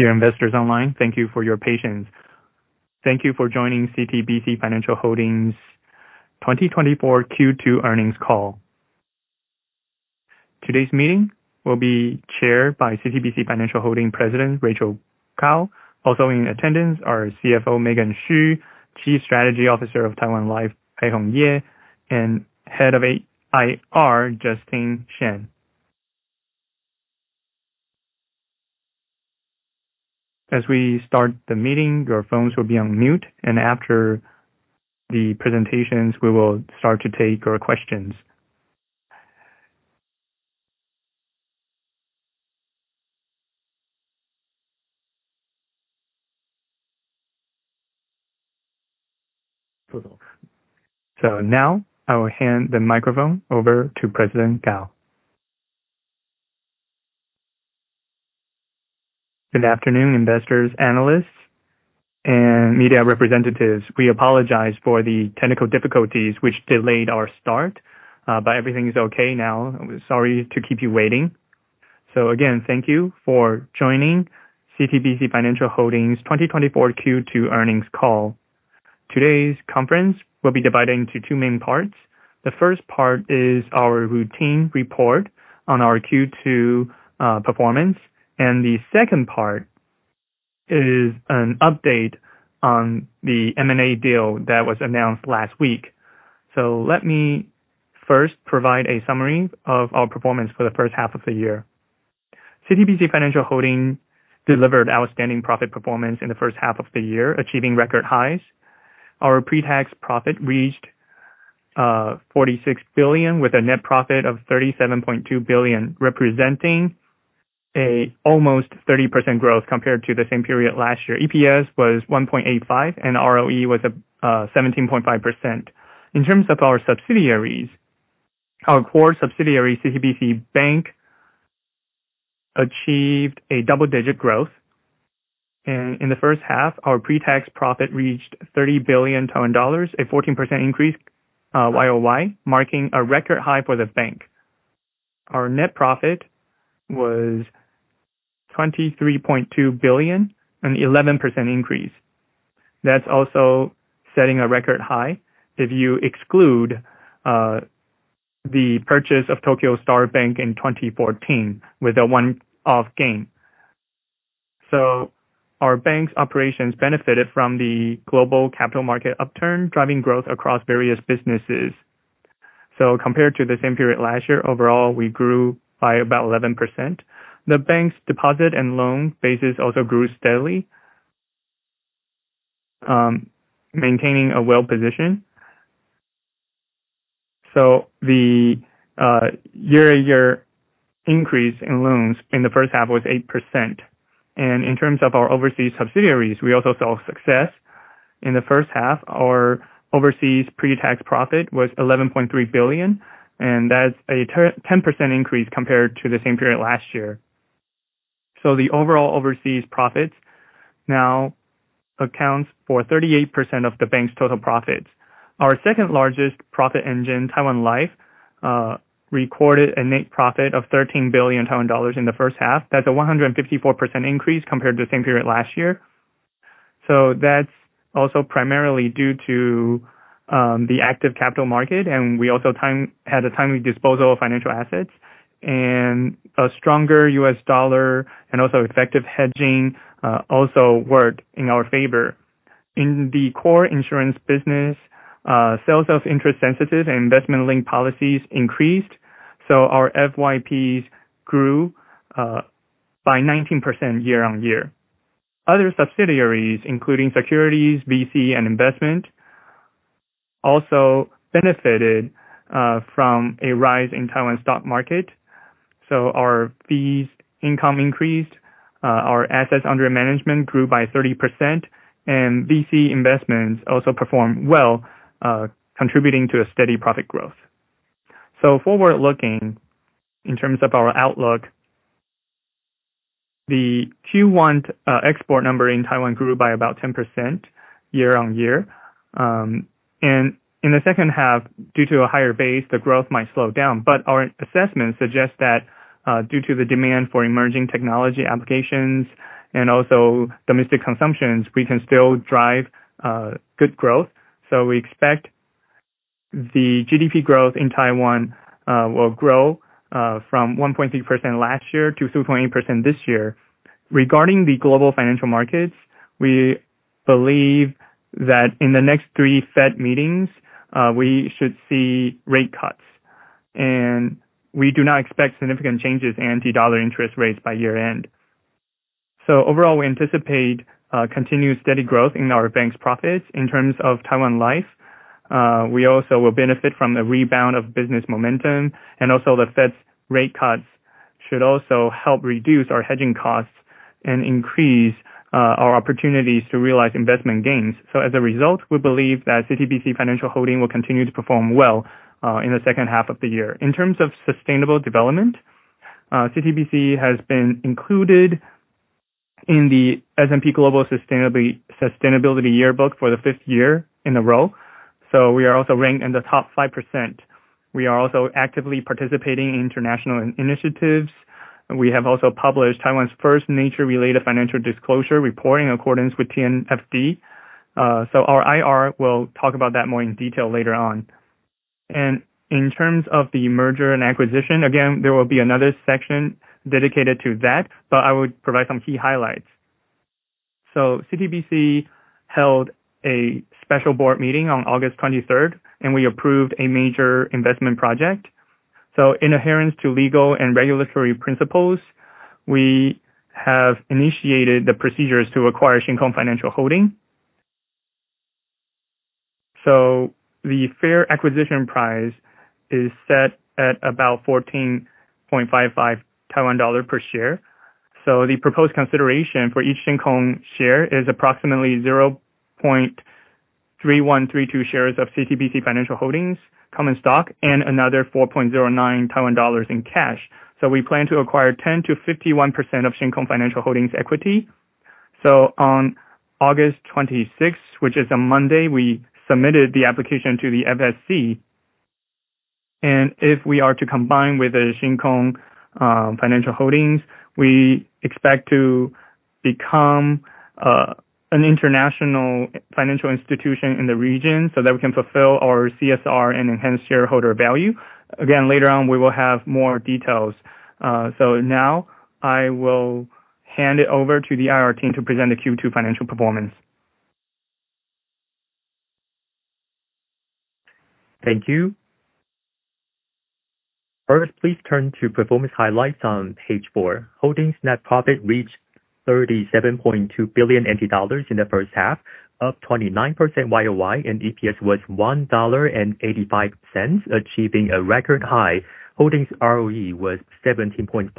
Dear investors online, thank you for your patience. Thank you for joining CTBC Financial Holding's 2024 Q2 earnings call. Today's meeting will be chaired by CTBC Financial Holding President, Rachael Kao. Also in attendance are CFO Megan Hsu, Chief Strategy Officer of Taiwan Life, Pai-Hung Yeh, and Head of IR, Justine Shen. As we start the meeting, your phones will be on mute, and after the presentations, we will start to take your questions. Now I will hand the microphone over to President Kao. Good afternoon, investors, analysts, and media representatives. We apologize for the technical difficulties which delayed our start. Everything is okay now. Sorry to keep you waiting. Again, thank you for joining CTBC Financial Holding's 2024 Q2 earnings call. Today's conference will be divided into two main parts. The first part is our routine report on our Q2 performance, and the second part is an update on the M&A deal that was announced last week. Let me first provide a summary of our performance for the first half of the year. CTBC Financial Holding delivered outstanding profit performance in the first half of the year, achieving record highs. Our pre-tax profit reached 46 billion, with a net profit of 37.2 billion, representing an almost 30% growth compared to the same period last year. EPS was 1.85, and ROE was 17.5%. In terms of our subsidiaries, our core subsidiary, CTBC Bank, achieved a double-digit growth. In the first half, our pre-tax profit reached 30 billion dollars, a 14% increase year-over-year, marking a record high for the bank. Our net profit was 23.2 billion, an 11% increase. That's also setting a record high if you exclude the purchase of Tokyo Star Bank in 2014 with a one-off gain. Our bank's operations benefited from the global capital market upturn, driving growth across various businesses. Compared to the same period last year, overall, we grew by about 11%. The bank's deposit and loan bases also grew steadily, maintaining a well position. The year-over-year increase in loans in the first half was 8%. In terms of our overseas subsidiaries, we also saw success. In the first half, our overseas pre-tax profit was 11.3 billion, and that's a 10% increase compared to the same period last year. The overall overseas profits now accounts for 38% of the bank's total profits. Our second largest profit engine, Taiwan Life, recorded a net profit of 13 billion dollars in the first half. That's a 154% increase compared to the same period last year. That's also primarily due to the active capital market, we also had a timely disposal of financial assets, a stronger U.S. dollar, also effective hedging, also worked in our favor. In the core insurance business, sales of interest-sensitive and investment-linked policies increased, our FYPs grew by 19% year-over-year. Other subsidiaries, including securities, VC, and investment, also benefited from a rise in Taiwan stock market, our fees income increased. Our assets under management grew by 30%, VC investments also performed well, contributing to a steady profit growth. Forward-looking, in terms of our outlook, the Q1 export number in Taiwan grew by about 10% year-over-year. In the second half, due to a higher base, the growth might slow down. Our assessment suggests that due to the demand for emerging technology applications and also domestic consumptions, we can still drive good growth. We expect the GDP growth in Taiwan will grow from 1.3% last year to 2.8% this year. Regarding the global financial markets, we believe that in the next three Fed meetings, we should see rate cuts. We do not expect significant changes in the dollar interest rates by year-end. Overall, we anticipate continued steady growth in our bank's profits. In terms of Taiwan Life, we also will benefit from the rebound of business momentum, and also the Fed's rate cuts should also help reduce our hedging costs and increase our opportunities to realize investment gains. As a result, we believe that CTBC Financial Holding will continue to perform well in the second half of the year. In terms of sustainable development, CTBC has been included in the S&P Global Sustainability Yearbook for the fifth year in a row. We are also ranked in the top 5%. We are also actively participating in international initiatives. We have also published Taiwan's first nature-related financial disclosure report in accordance with TNFD. Our IR will talk about that more in detail later on. In terms of the merger and acquisition, again, there will be another section dedicated to that, but I would provide some key highlights. CTBC held a special board meeting on August 23rd, and we approved a major investment project. In adherence to legal and regulatory principles, we have initiated the procedures to acquire Shin Kong Financial Holding. The fair acquisition price is set at about NT$14.55 per share. The proposed consideration for each Shin Kong share is approximately 0.3132 shares of CTBC Financial Holding's common stock, and another NT$4.09 in cash. We plan to acquire 10% to 51% of Shin Kong Financial Holding's equity. On August 26th, which is a Monday, we submitted the application to the FSC. If we are to combine with the Shin Kong Financial Holding, we expect to become an international financial institution in the region so that we can fulfill our CSR and enhance shareholder value. Again, later on, we will have more details. Now I will hand it over to the IR team to present the Q2 financial performance. Thank you. First, please turn to performance highlights on page four. Holdings net profit reached NT$37.2 billion in the first half, up 29% YOY, and EPS was NT$1.85, achieving a record high. Holdings ROE was 17.5%.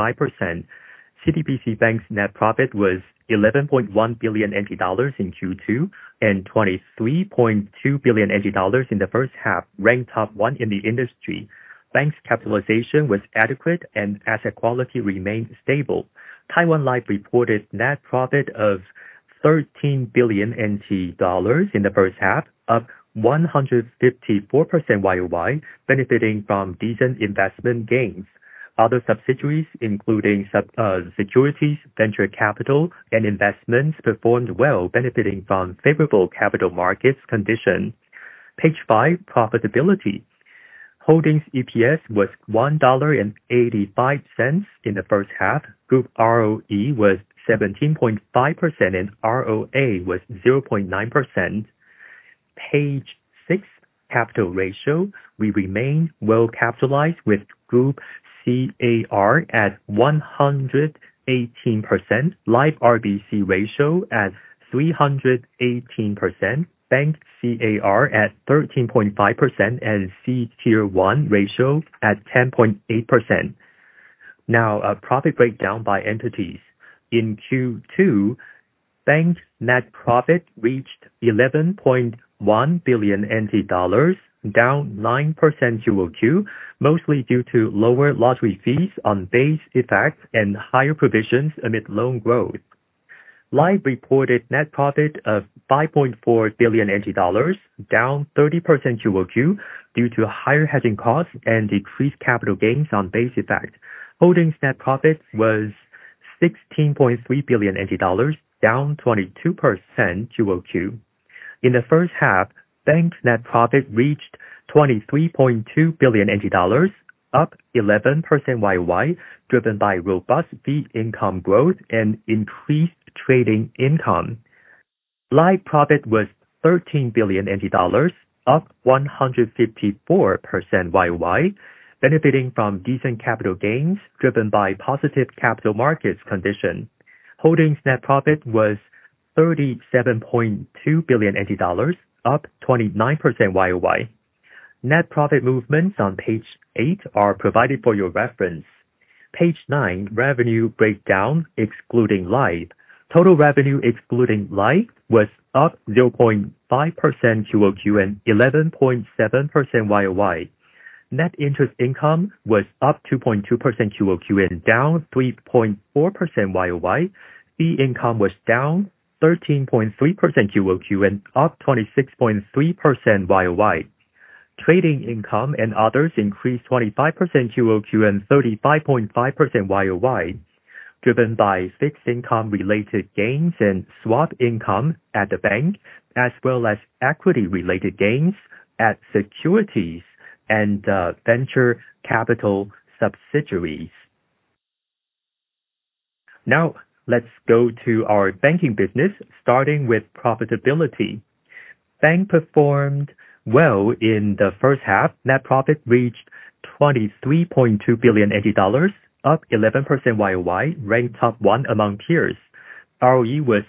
CTBC Bank's net profit was NT$11.1 billion in Q2, and NT$23.2 billion in the first half, ranked top 1 in the industry. Bank's capitalization was adequate and asset quality remained stable. Taiwan Life reported net profit of NT$13 billion in the first half, up 154% YOY, benefiting from decent investment gains. Other subsidiaries, including securities, venture capital, and investments, performed well, benefiting from favorable capital markets condition. Page five, profitability. Holdings EPS was NT$1.85 in the first half. Group ROE was 17.5% and ROA was 0.9%. Page six, capital ratio. We remain well capitalized with Group CAR at 118%, Life RBC ratio at 318%, Bank CAR at 13.5%, and C Tier 1 ratio at 10.8%. Profit breakdown by entities. In Q2, bank's net profit reached 11.1 billion NT dollars, down 9% quarter-over-quarter, mostly due to lower lottery fees on base effects, and higher provisions amid loan growth. Life reported net profit of 5.4 billion NT dollars, down 30% quarter-over-quarter, due to higher hedging costs and decreased capital gains on base effect. Holdings net profit was TWD 16.3 billion, down 22% quarter-over-quarter. In the first half, bank's net profit reached 23.2 billion NT dollars, up 11% year-over-year, driven by robust fee income growth and increased trading income. Life profit was TWD 13 billion, up 154% year-over-year, benefiting from decent capital gains driven by positive capital markets condition. Holdings net profit was TWD 37.2 billion, up 29% year-over-year. Net profit movements on page eight are provided for your reference. Page nine, revenue breakdown excluding Life. Total revenue excluding Life was up 0.5% quarter-over-quarter and 11.7% year-over-year. Net interest income was up 2.2% quarter-over-quarter and down 3.4% year-over-year. Fee income was down 13.3% quarter-over-quarter and up 26.3% year-over-year. Trading income and others increased 25% quarter-over-quarter and 35.5% year-over-year, driven by fixed income related gains and swap income at the bank, as well as equity related gains at securities and venture capital subsidiaries. Let's go to our banking business, starting with profitability. Bank performed well in the first half. Net profit reached 23.2 billion, up 11% year-over-year, ranked top one among peers. ROE was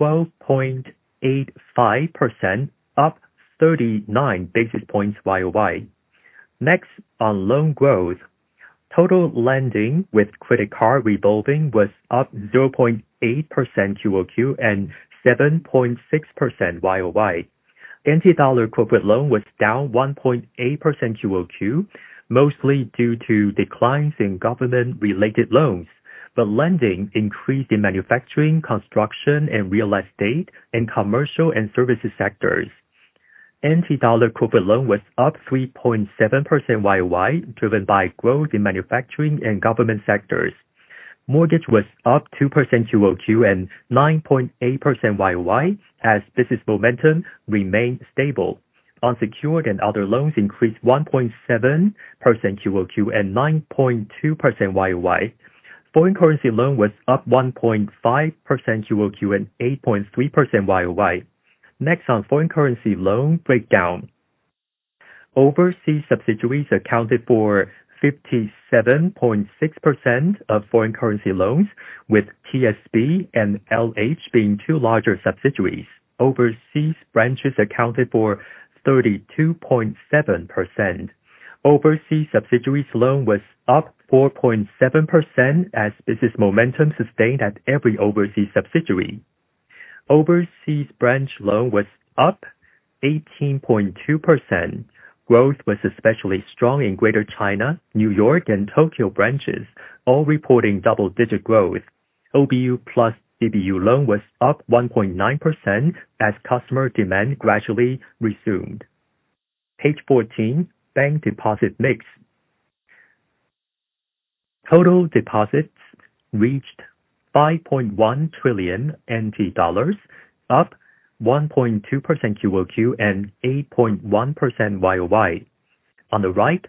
12.85%, up 39 basis points year-over-year. On loan growth. Total lending with credit card revolving was up 0.8% quarter-over-quarter and 7.6% year-over-year. NT dollar corporate loan was down 1.8% quarter-over-quarter, mostly due to declines in government-related loans. Lending increased in manufacturing, construction, and real estate, and commercial and services sectors. NT dollar corporate loan was up 3.7% year-over-year, driven by growth in manufacturing and government sectors. Mortgage was up 2% quarter-over-quarter and 9.8% year-over-year as business momentum remained stable. Unsecured and other loans increased 1.7% quarter-over-quarter and 9.2% year-over-year. Foreign currency loan was up 1.5% quarter-over-quarter and 8.3% year-over-year. On foreign currency loan breakdown. Overseas subsidiaries accounted for 57.6% of foreign currency loans, with TSB and LH being two larger subsidiaries. Overseas branches accounted for 32.7%. Overseas subsidiaries loan was up 4.7% as business momentum sustained at every overseas subsidiary. Overseas branch loan was up 18.2%. Growth was especially strong in Greater China, New York, and Tokyo branches, all reporting double-digit growth. OBU plus DBU loan was up 1.9% as customer demand gradually resumed. Page 14, bank deposit mix. Total deposits reached TWD 5.1 trillion, up 1.2% quarter-over-quarter and 8.1% year-over-year. On the right,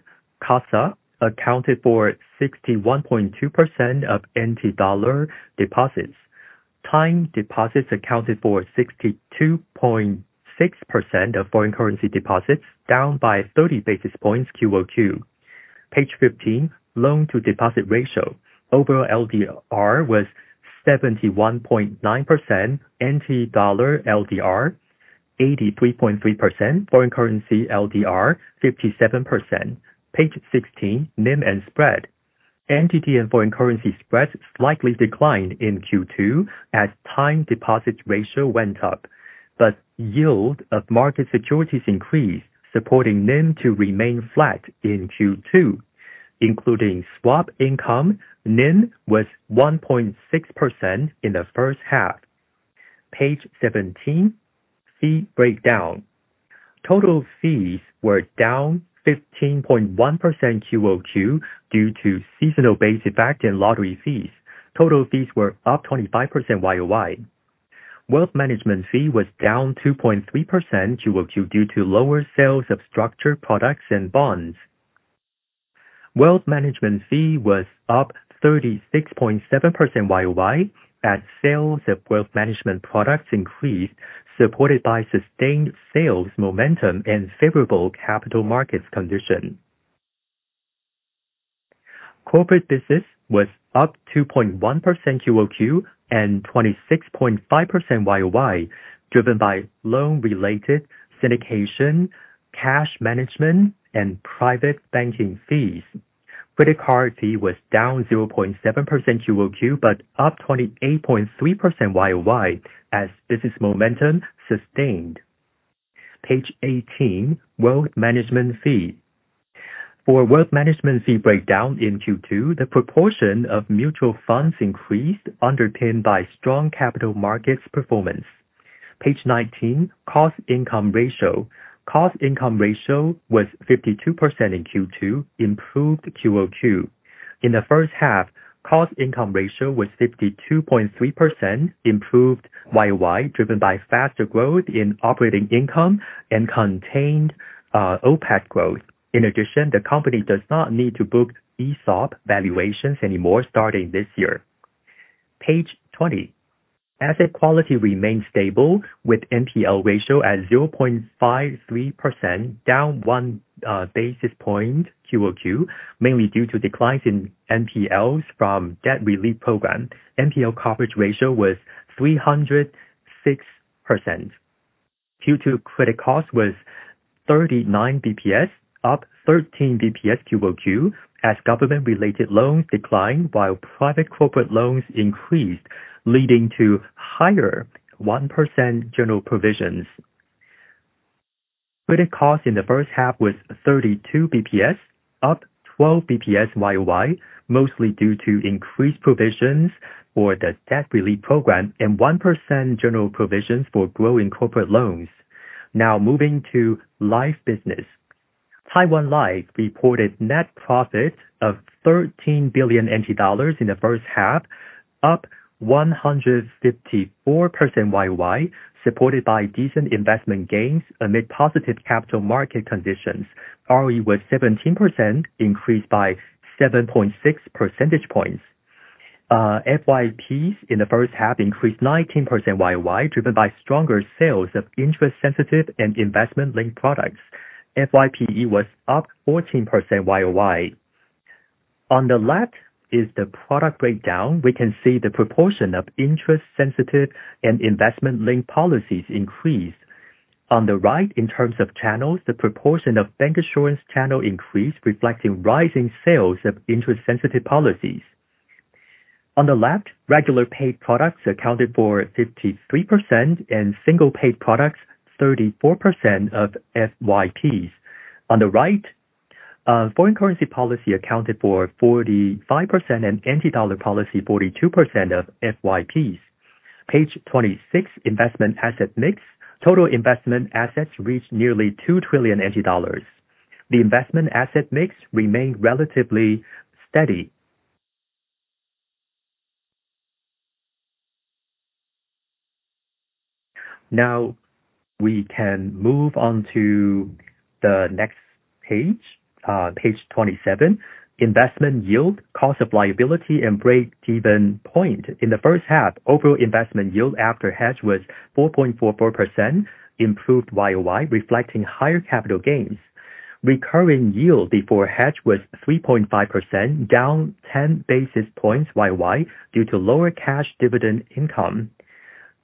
CASA accounted for 61.2% of NT dollar deposits. Time deposits accounted for 62.6% of foreign currency deposits, down by 30 basis points quarter-over-quarter. Page 15, loan-to-deposit ratio. Overall LDR was 71.9% NT dollar LDR, 83.3% foreign currency LDR, 57%. Page 16, NIM and spread. NTD and foreign currency spreads slightly declined in Q2 as time deposit ratio went up. Yield of market securities increased, supporting NIM to remain flat in Q2. Including swap income, NIM was 1.6% in the first half. Page 17, fee breakdown. Total fees were down 15.1% quarter-over-quarter due to seasonal base effect and lottery fees. Total fees were up 25% year-over-year. Wealth management fee was down 2.3% quarter-over-quarter due to lower sales of structured products and bonds. Wealth management fee was up 36.7% year-over-year as sales of wealth management products increased, supported by sustained sales momentum and favorable capital markets condition. Corporate business was up 2.1% quarter-over-quarter and 26.5% year-over-year, driven by loan-related syndication, cash management, and private banking fees. Credit card fee was down 0.7% quarter-over-quarter, but up 28.3% year-over-year as business momentum sustained. Page 18, wealth management fee. For wealth management fee breakdown in Q2, the proportion of mutual funds increased, underpinned by strong capital markets performance. Page 19, cost income ratio. Cost income ratio was 52% in Q2, improved quarter-over-quarter. In the first half, cost income ratio was 52.3%, improved year-over-year, driven by faster growth in operating income and contained OPEX growth. In addition, the company does not need to book ESOP valuations anymore starting this year. Page 20. Asset quality remained stable, with NPL ratio at 0.53%, down one basis point quarter-over-quarter, mainly due to declines in NPLs from debt relief program. NPL coverage ratio was 306%. Q2 credit cost was 39 basis points, up 13 basis points quarter-over-quarter, as government-related loans declined while private corporate loans increased, leading to higher 1% general provisions. Credit cost in the first half was 32 basis points, up 12 basis points year-over-year, mostly due to increased provisions for the debt relief program and 1% general provisions for growing corporate loans. Moving to life business. Taiwan Life reported net profit of 13 billion NT dollars in the first half, up 154% year-over-year, supported by decent investment gains amid positive capital market conditions. ROE was 17%, increased by 7.6 percentage points. FYPs in the first half increased 19% year-over-year, driven by stronger sales of interest-sensitive and investment-linked products. FYPE was up 14% year-over-year. On the left is the product breakdown. We can see the proportion of interest-sensitive and investment-linked policies increase. On the right, in terms of channels, the proportion of bank assurance channel increased, reflecting rising sales of interest-sensitive policies. On the left, regular paid products accounted for 53%, and single paid products 34% of FYPs. On the right, foreign currency policy accounted for 45% and NT dollar policy 42% of FYPs. Page 26, investment asset mix. Total investment assets reached nearly 2 trillion NT dollars. The investment asset mix remained relatively steady. We can move on to the next page 27. Investment yield, cost of liability, and breakeven point. In the first half, overall investment yield after hedge was 4.44%, improved year-over-year, reflecting higher capital gains. Recurring yield before hedge was 3.5%, down 10 basis points year-over-year due to lower cash dividend income.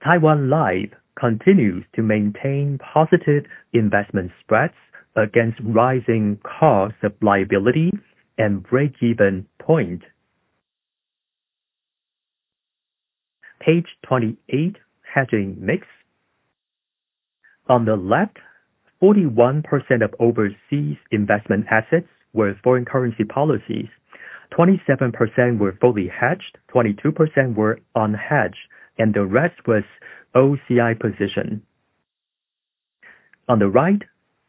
Taiwan Life continues to maintain positive investment spreads against rising costs of liability and breakeven point. Page 28, hedging mix. On the left, 41% of overseas investment assets were foreign currency policies, 27% were fully hedged, 22% were unhedged, and the rest was OCI position. On the right,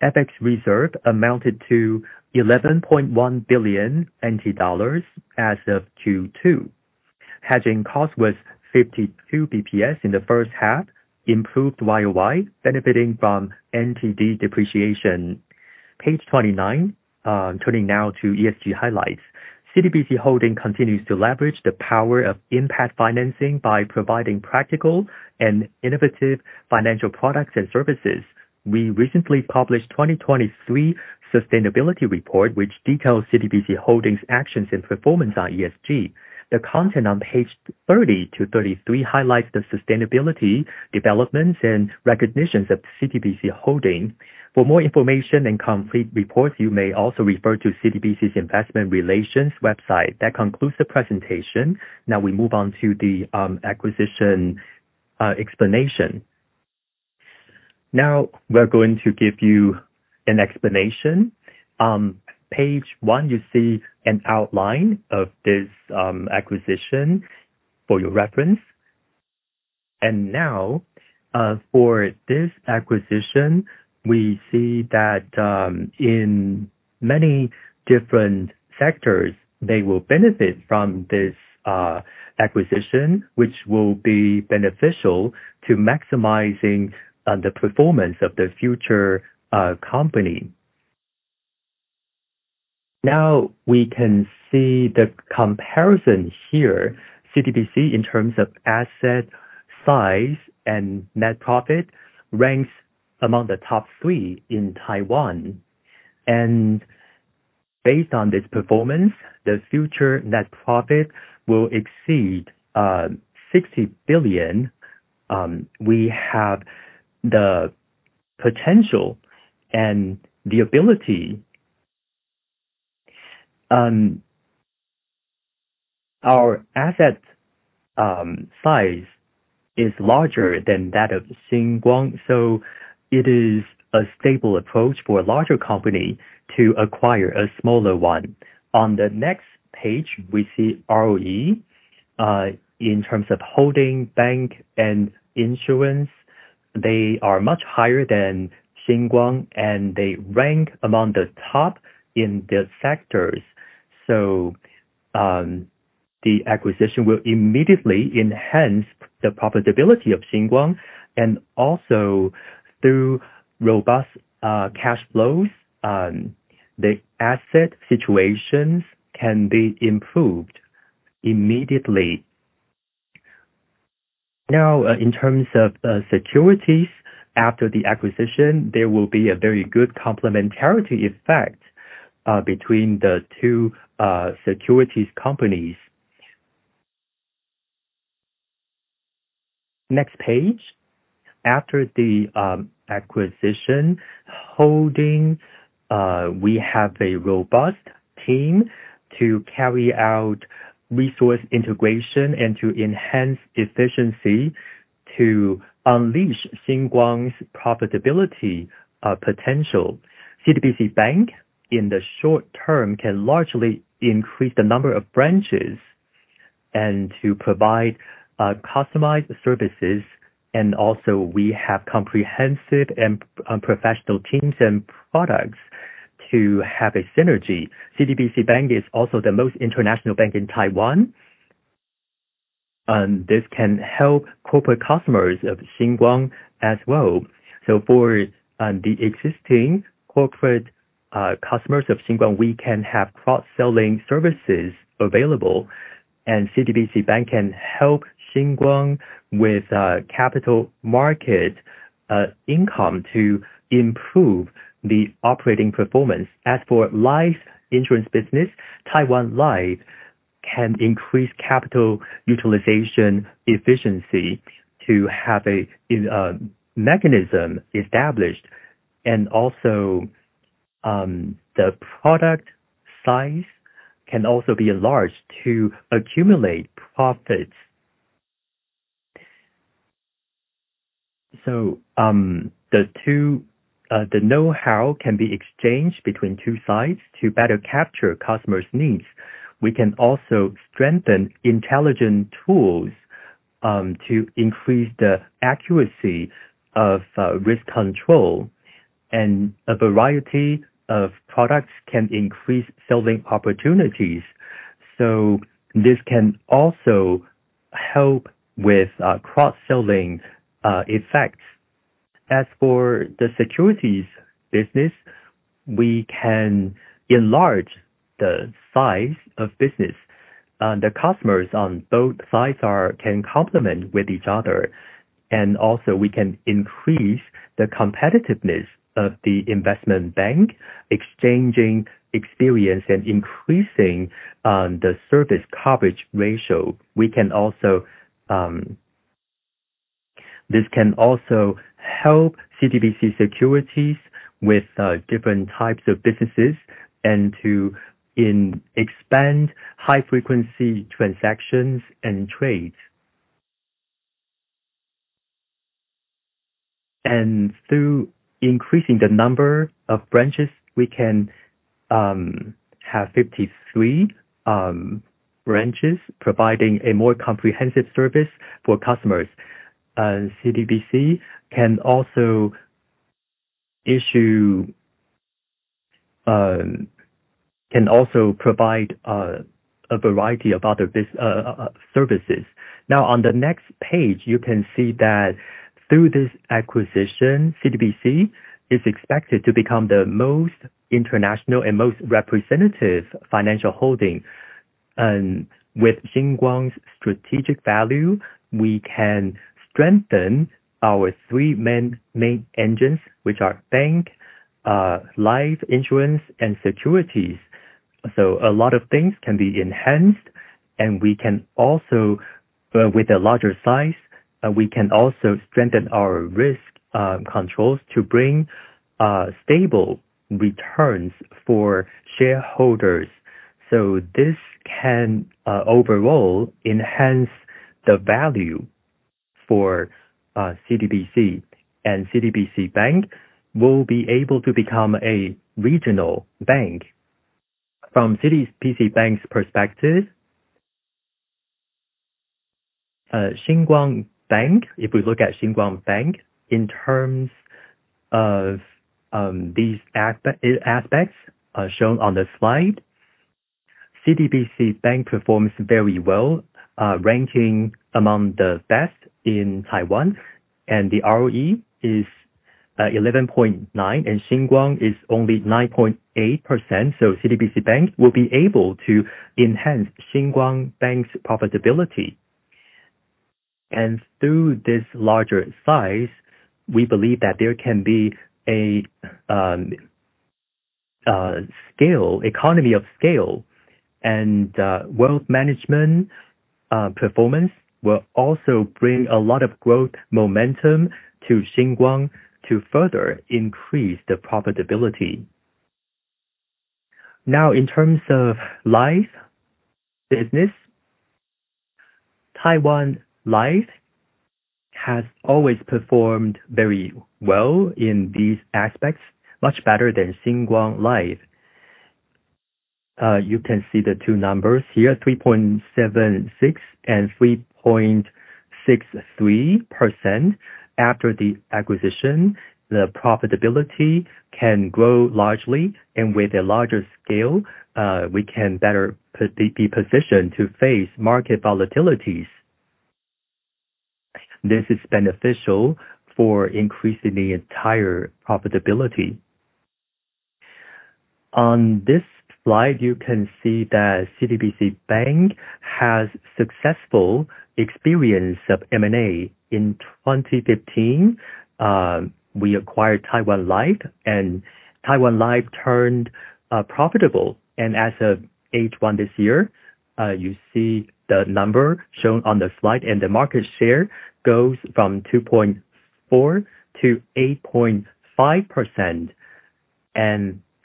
FX reserve amounted to 11.1 billion NT dollars as of Q2. Hedging cost was 52 basis points in the first half, improved year-over-year, benefiting from TWD depreciation. Page 29, turning to ESG highlights. CTBC Financial Holding continues to leverage the power of impact financing by providing practical and innovative financial products and services. We recently published 2023 sustainability report, which details CTBC Financial Holding's actions and performance on ESG. The content on page 30 to 33 highlights the sustainability developments and recognitions of CTBC Financial Holding. For more information and complete reports, you may also refer to CTBC's investor relations website. That concludes the presentation. We move on to the acquisition explanation. We're going to give you an explanation. Page one, you see an outline of this acquisition for your reference. For this acquisition, we see that in many different sectors, they will benefit from this acquisition, which will be beneficial to maximizing the performance of the future company. We can see the comparison here. CTBC, in terms of asset size and net profit, ranks among the top three in Taiwan. Based on this performance, the future net profit will exceed 60 billion. We have the potential and the ability. Our asset size is larger than that of Shin Kong, it is a stable approach for a larger company to acquire a smaller one. On the next page, we see ROE. Holding bank and insurance, they are much higher than Shin Kong, they rank among the top in the sectors. The acquisition will immediately enhance the profitability of Shin Kong, also through robust cash flows, the asset situations can be improved immediately. In terms of securities, after the acquisition, there will be a very good complementarity effect between the two securities companies. Next page. After the acquisition holding, we have a robust team to carry out resource integration and to enhance efficiency to unleash Shin Kong's profitability potential. CTBC Bank, in the short term, can largely increase the number of branches and to provide customized services. We have comprehensive and professional teams and products to have a synergy. CTBC Bank is also the most international bank in Taiwan, this can help corporate customers of Shin Kong as well. For the existing corporate customers of Shin Kong, we can have cross-selling services available, CTBC Bank can help Shin Kong with capital market income to improve the operating performance. As for life insurance business, Taiwan Life can increase capital utilization efficiency to have a mechanism established. The product size can also be enlarged to accumulate profits. The know-how can be exchanged between two sides to better capture customers' needs. We can also strengthen intelligent tools to increase the accuracy of risk control, a variety of products can increase selling opportunities. This can also help with cross-selling effects. As for the securities business, we can enlarge the size of business. The customers on both sides can complement with each other, we can increase the competitiveness of the investment bank, exchanging experience and increasing the service coverage ratio. This can also help CTBC Securities with different types of businesses and to expand high-frequency transactions and trades. Through increasing the number of branches, we can have 53 branches providing a more comprehensive service for customers. CTBC can also provide a variety of other services. On the next page, you can see that through this acquisition, CTBC is expected to become the most international and most representative financial holding. With Shin Kong's strategic value, we can strengthen our three main engines, which are bank, life insurance, and securities. A lot of things can be enhanced, with a larger size, we can also strengthen our risk controls to bring stable returns for shareholders. This can overall enhance the value for CTBC Bank will be able to become a regional bank. From CTBC Bank's perspective, Shin Kong Bank, if we look at Shin Kong Bank in terms of these aspects shown on the slide, CTBC Bank performs very well, ranking among the best in Taiwan, and the ROE is 11.9%, and Shin Kong is only 9.8%. CTBC Bank will be able to enhance Shin Kong Bank's profitability. Through this larger size, we believe that there can be economy of scale, and wealth management performance will also bring a lot of growth momentum to Shin Kong to further increase the profitability. Now in terms of life business, Taiwan Life has always performed very well in these aspects, much better than Shin Kong Life. You can see the two numbers here, 3.76% and 3.63%. After the acquisition, the profitability can grow largely, with a larger scale, we can better be positioned to face market volatilities. This is beneficial for increasing the entire profitability. On this slide, you can see that CTBC Bank has successful experience of M&A. In 2015, we acquired Taiwan Life, and Taiwan Life turned profitable. As of H1 this year, you see the number shown on the slide, the market share goes from 2.4% to 8.5%.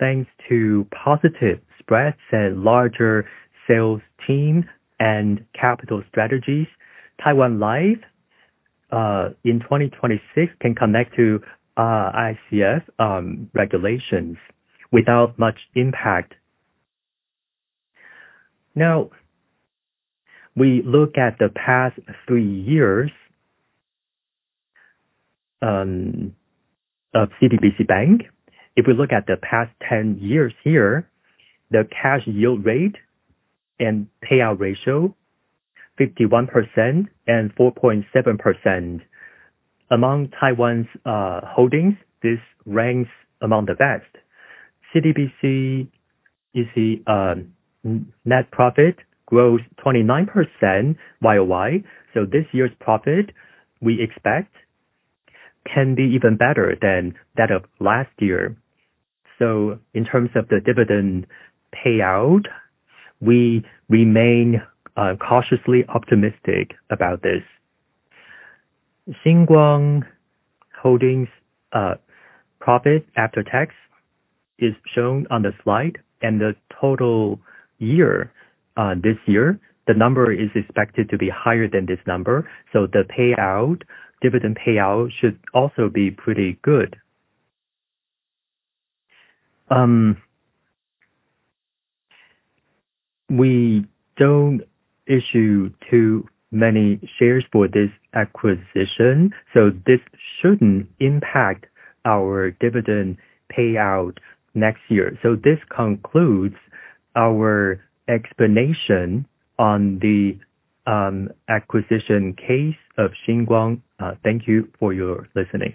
Thanks to positive spreads and larger sales team and capital strategies, Taiwan Life in 2026 can connect to ICS regulations without much impact. Now we look at the past three years of CTBC Bank. If we look at the past 10 years here, the cash yield rate and payout ratio, 51% and 4.7%. Among Taiwan's holdings, this ranks among the best. CTBC, you see net profit grows 29% YOY, this year's profit, we expect can be even better than that of last year. In terms of the dividend payout, we remain cautiously optimistic about this. Shin Kong Holdings profit after tax is shown on the slide, the total year, this year, the number is expected to be higher than this number. The dividend payout should also be pretty good. We don't issue too many shares for this acquisition, this shouldn't impact our dividend payout next year. This concludes our explanation on the acquisition case of Shin Kong. Thank you for your listening.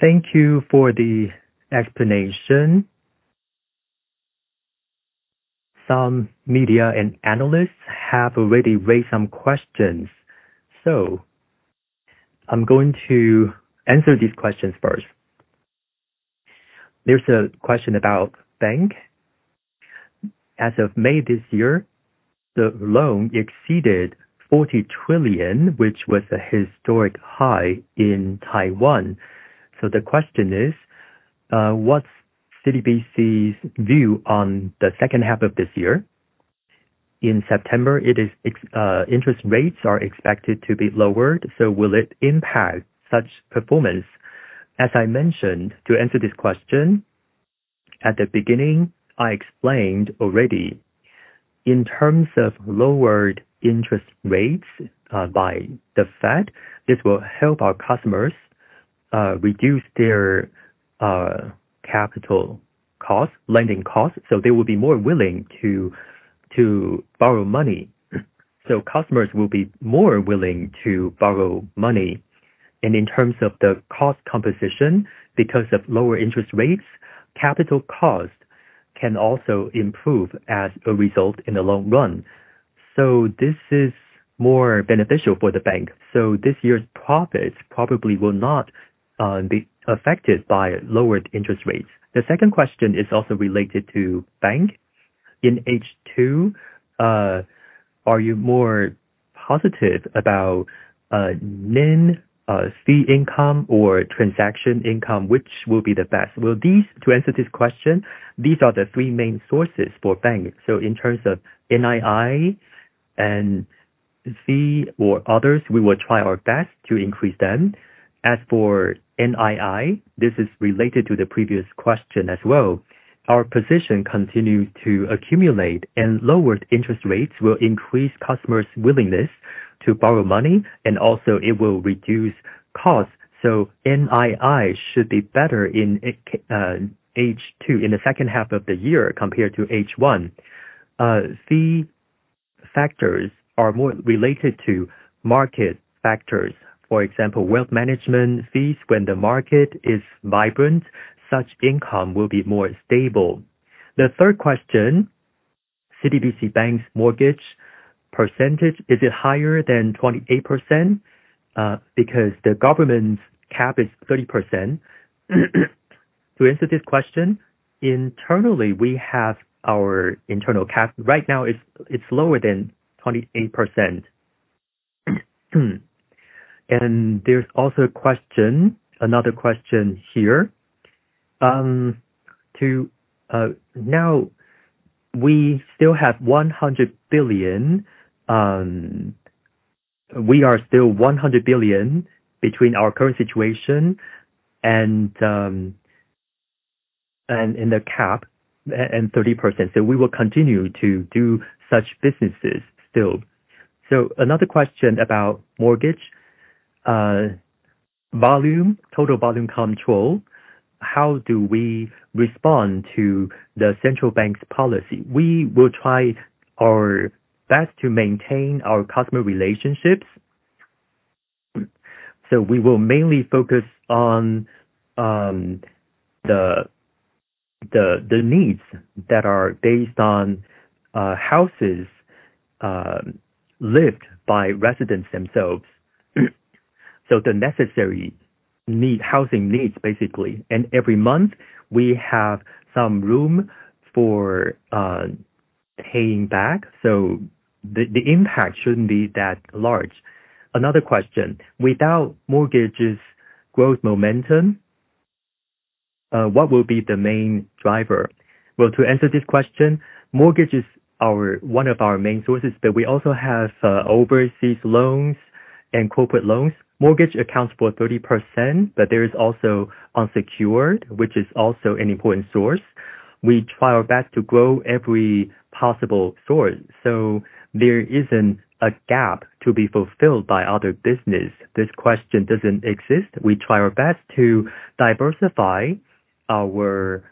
Thank you for the explanation. Some media and analysts have already raised some questions. I'm going to answer these questions first. There's a question about bank. As of May this year, the loan exceeded 40 trillion, which was a historic high in Taiwan. The question is, what's CTBC's view on the second half of this year? In September, interest rates are expected to be lowered, will it impact such performance? As I mentioned, to answer this question, at the beginning, I explained already in terms of lowered interest rates by the Fed, this will help our customers reduce their capital costs, lending costs, they will be more willing to borrow money. Customers will be more willing to borrow money. In terms of the cost composition, because of lower interest rates, capital cost can also improve as a result in the long run. This is more beneficial for the bank. This year's profits probably will not be affected by lowered interest rates. The second question is also related to bank. In H2, are you more positive about NIM, fee income, or transaction income, which will be the best? To answer this question, these are the three main sources for bank. In terms of NII and fee or others, we will try our best to increase them. As for NII, this is related to the previous question as well. Our position continue to accumulate and lowered interest rates will increase customers' willingness to borrow money, also it will reduce costs. NII should be better in H2, in the second half of the year, compared to H1. Fee factors are more related to market factors. For example, wealth management fees. When the market is vibrant, such income will be more stable. The third question, CTBC Bank's mortgage percentage, is it higher than 28% because the government's cap is 30%? To answer this question, internally, we have our internal cap. Right now, it's lower than 28%. There's also another question here. Now, we still have 100 billion. We are still 100 billion between our current situation and the cap and 30%, we will continue to do such businesses still. Another question about mortgage volume, total volume control. How do we respond to the central bank's policy? We will try our best to maintain our customer relationships. We will mainly focus on the needs that are based on houses lived by residents themselves. The necessary housing needs, basically. Every month, we have some room for paying back. The impact shouldn't be that large. Another question. Without mortgage's growth momentum, what will be the main driver? Well, to answer this question, mortgage is one of our main sources, we also have overseas loans and corporate loans. Mortgage accounts for 30%, there is also unsecured, which is also an important source. We try our best to grow every possible source there isn't a gap to be fulfilled by other business. This question doesn't exist. We try our best to diversify our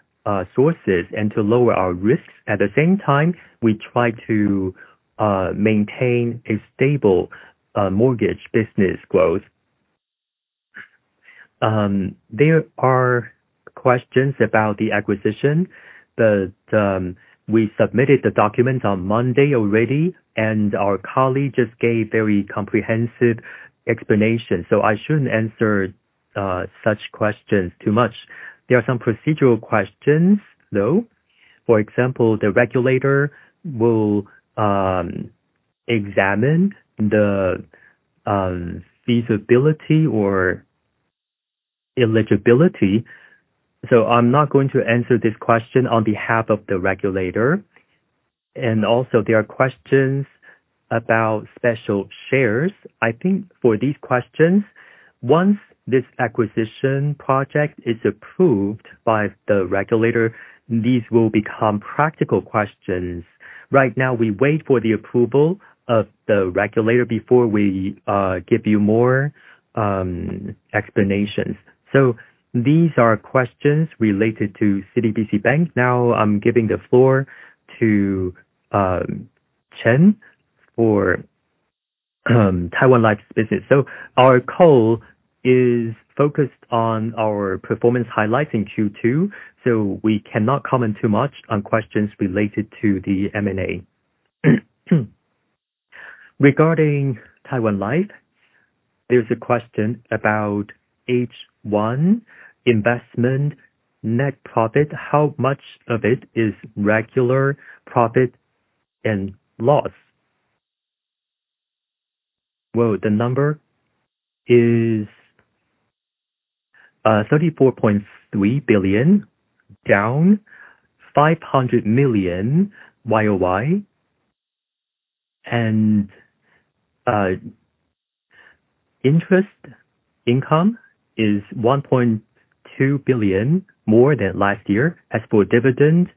sources and to lower our risks. At the same time, we try to maintain a stable mortgage business growth. There are questions about the acquisition, we submitted the document on Monday already, our colleague just gave very comprehensive explanation, I shouldn't answer such questions too much. There are some procedural questions, though. For example, the regulator will examine the feasibility or eligibility. I'm not going to answer this question on behalf of the regulator. There are questions about special shares. I think for these questions, once this acquisition project is approved by the regulator, these will become practical questions. Right now, we wait for the approval of the regulator before we give you more explanations. These are questions related to CTBC Bank. I'm giving the floor to Chen for Taiwan Life's business. Our call is focused on our performance highlights in Q2, we cannot comment too much on questions related to the M&A. Regarding Taiwan Life, there's a question about H1 investment net profit, how much of it is regular profit and loss? Well, the number is TWD 34.3 billion, down TWD 500 million year-over-year, interest income is 1.2 billion more than last year. As for dividends,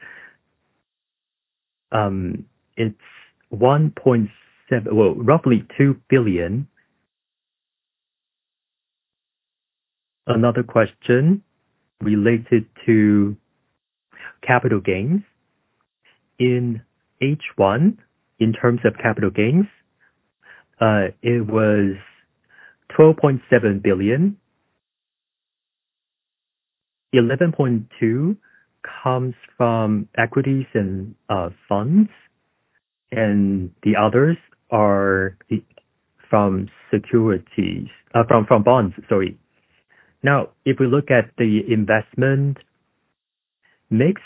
it's roughly TWD 2 billion. Another question related to capital gains. In H1, in terms of capital gains, it was 12.7 billion. 11.2 comes from equities and funds, the others are from bonds, sorry. If we look at the investment mix,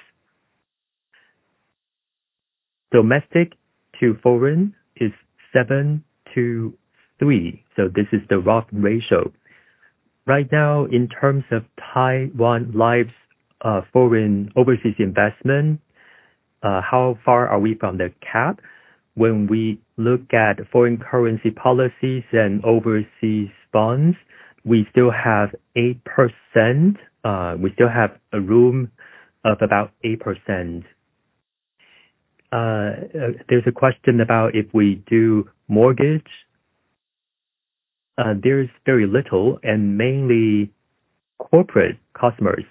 domestic to foreign is 7 to 3. This is the rough ratio. Right now, in terms of Taiwan Life's foreign overseas investment, how far are we from the cap? When we look at foreign currency policies and overseas bonds, we still have 8%. We still have a room of about 8%. There's a question about if we do mortgage. There's very little and mainly corporate customers.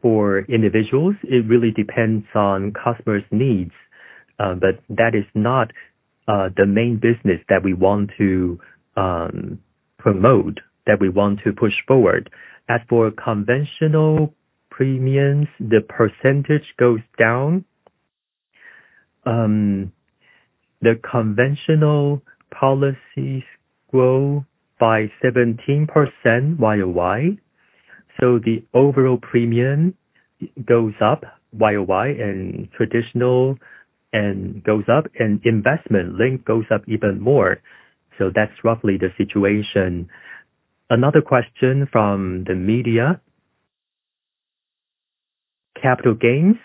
For individuals, it really depends on customers' needs, but that is not the main business that we want to promote, that we want to push forward. As for conventional premiums, the percentage goes down. The conventional policies grow by 17% year-over-year, so the overall premium goes up year-over-year, and traditional goes up, and investment link goes up even more. That's roughly the situation. Another question from the media. Capital gains,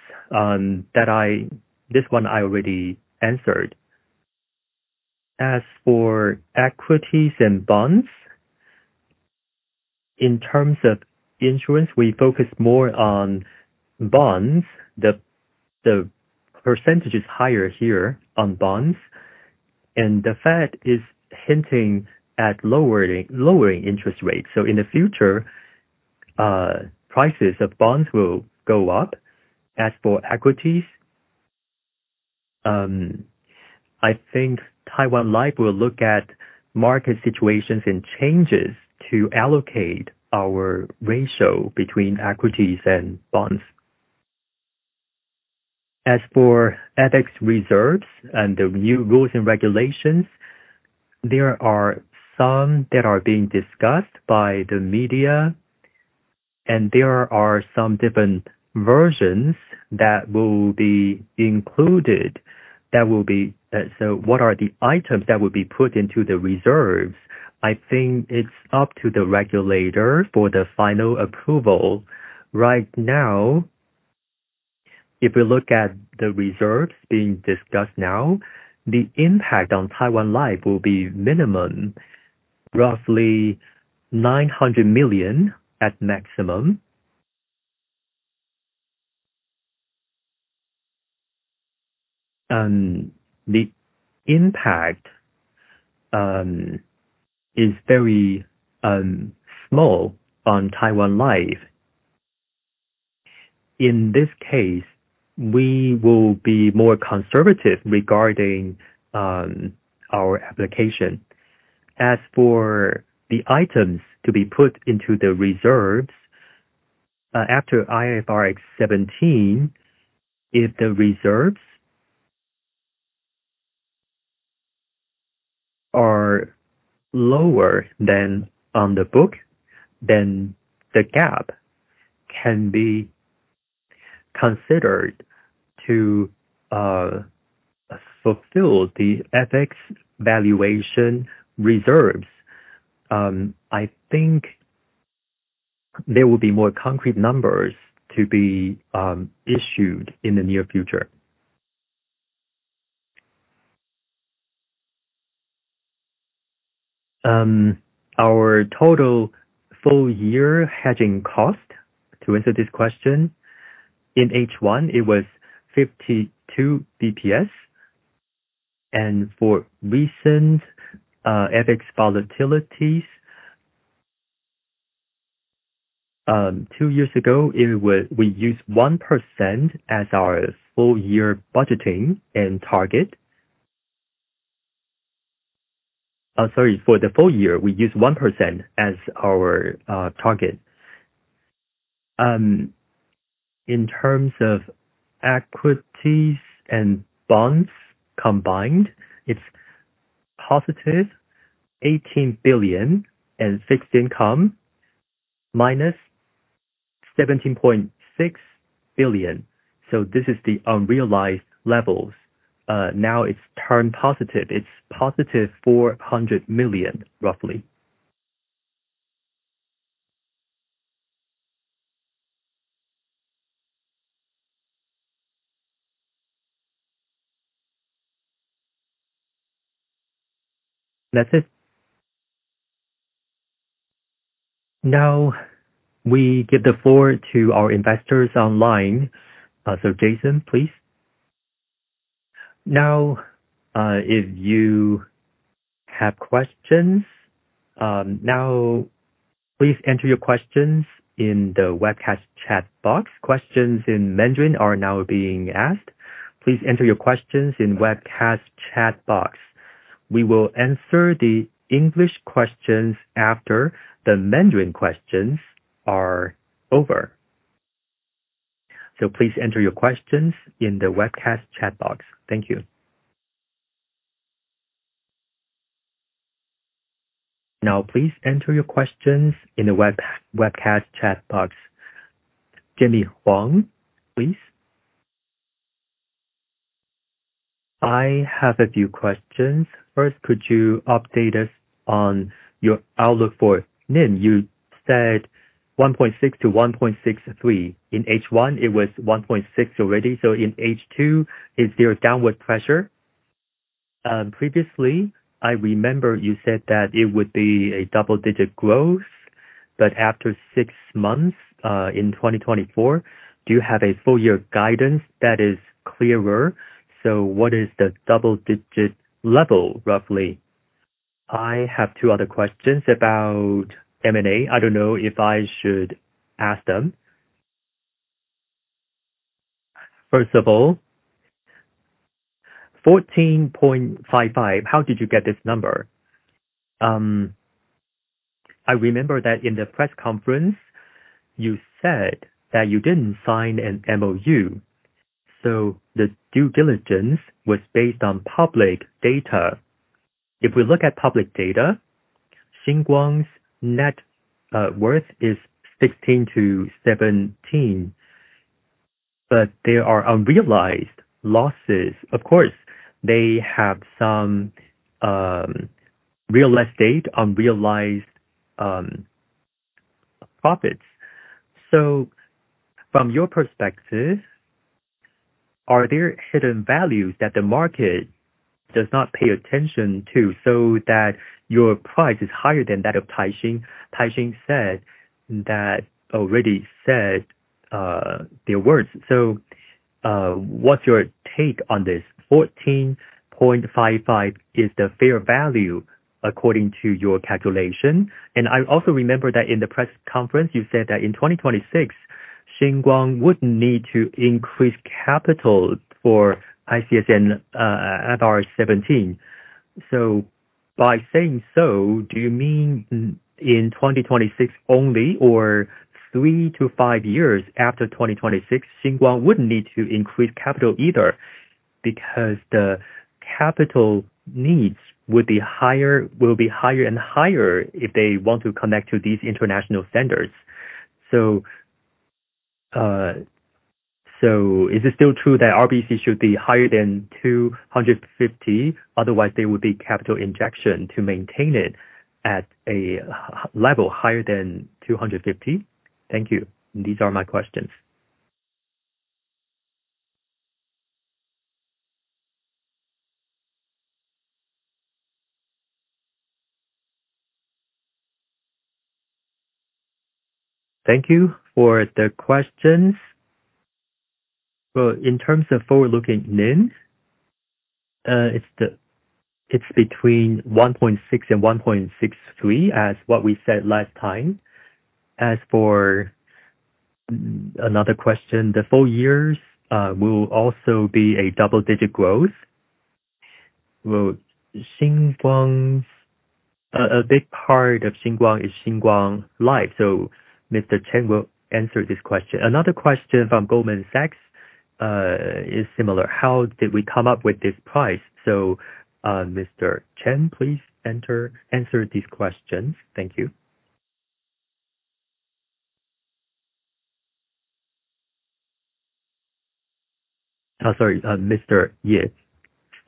this one I already answered. As for equities and bonds, in terms of insurance, we focus more on bonds. The percentage is higher here on bonds. The Fed is hinting at lowering interest rates. In the future, prices of bonds will go up. As for equities, I think Taiwan Life will look at market situations and changes to allocate our ratio between equities and bonds. As for ethics reserves and the new rules and regulations, there are some that are being discussed by the media, and there are some different versions that will be included. What are the items that will be put into the reserves? I think it's up to the regulator for the final approval. Right now, if we look at the reserves being discussed now, the impact on Taiwan Life will be minimum, roughly 900 million at maximum. The impact is very small on Taiwan Life. In this case, we will be more conservative regarding our application. As for the items to be put into the reserves, after IFRS 17, if the reserves are lower than on the book, the gap can be considered to fulfill the ethics valuation reserves. I think there will be more concrete numbers to be issued in the near future. Our total full year hedging cost, to answer this question, in H1, it was 52 basis points. For recent FX volatilities, two years ago, we used 1% as our full year budgeting and target. Sorry, for the full year, we used 1% as our target. In terms of equities and bonds combined, it's positive 18 billion in fixed income, minus 17.6 billion. This is the unrealized levels. Now it's turned positive. It's positive 400 million, roughly. That's it. Now, we give the floor to our investors online. Jason, please. If you have questions, please enter your questions in the webcast chat box. Questions in Mandarin are now being asked. Please enter your questions in webcast chat box. We will answer the English questions after the Mandarin questions are over. Please enter your questions in the webcast chat box. Thank you. Please enter your questions in the webcast chat box. Jimmy Wong, please. I have a few questions. First, could you update us on your outlook for NIM? You said 1.6%-1.63%. In H1, it was 1.6% already. In H2, is there a downward pressure? Previously, I remember you said that it would be a double-digit growth, but after six months, in 2024, do you have a full year guidance that is clearer? What is the double-digit level, roughly? I have two other questions about M&A. I don't know if I should ask them. First of all, 14.55. How did you get this number? I remember that in the press conference, you said that you did not sign an MOU, the due diligence was based on public data. If we look at public data, Shin Kong's net worth is 16-17, but there are unrealized losses. Of course, they have some real estate unrealized profits. From your perspective, are there hidden values that the market does not pay attention to so that your price is higher than that of Taishin? Taishin said that already said their words. What is your take on this? 14.55 is the fair value according to your calculation, I also remember that in the press conference, you said that in 2026, Shin Kong would not need to increase capital for ICS and IFRS 17. By saying so, do you mean in 2026 only, or 3-5 years after 2026, Shin Kong would not need to increase capital either because the capital needs will be higher and higher if they want to connect to these international standards. Is it still true that RBC should be higher than 250, otherwise there would be capital injection to maintain it at a level higher than 250? Thank you. These are my questions. Thank you for the questions. In terms of forward-looking NIM, it is between 1.6 and 1.63, as what we said last time. As for another question, the full years will also be a double-digit growth. A big part of Shin Kong is Shin Kong Life, Mr. Chen will answer this question. Another question from Goldman Sachs is similar. How did we come up with this price? Mr. Chen, please answer these questions. Thank you. Sorry, Mr. Yeh,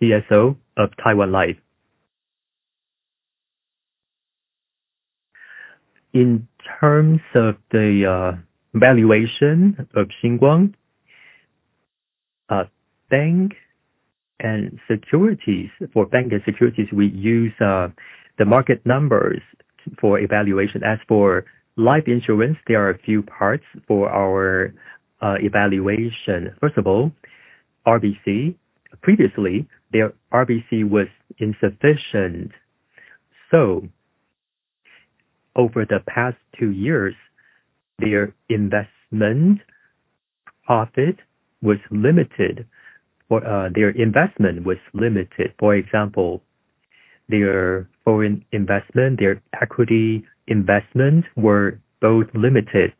CSO of Taiwan Life. In terms of the valuation of Shin Kong, for bank and securities, we use the market numbers for evaluation. As for life insurance, there are a few parts for our evaluation. First of all, RBC. Previously, their RBC was insufficient. Over the past 2 years, their investment was limited. For example, their foreign investment, their equity investment were both limited.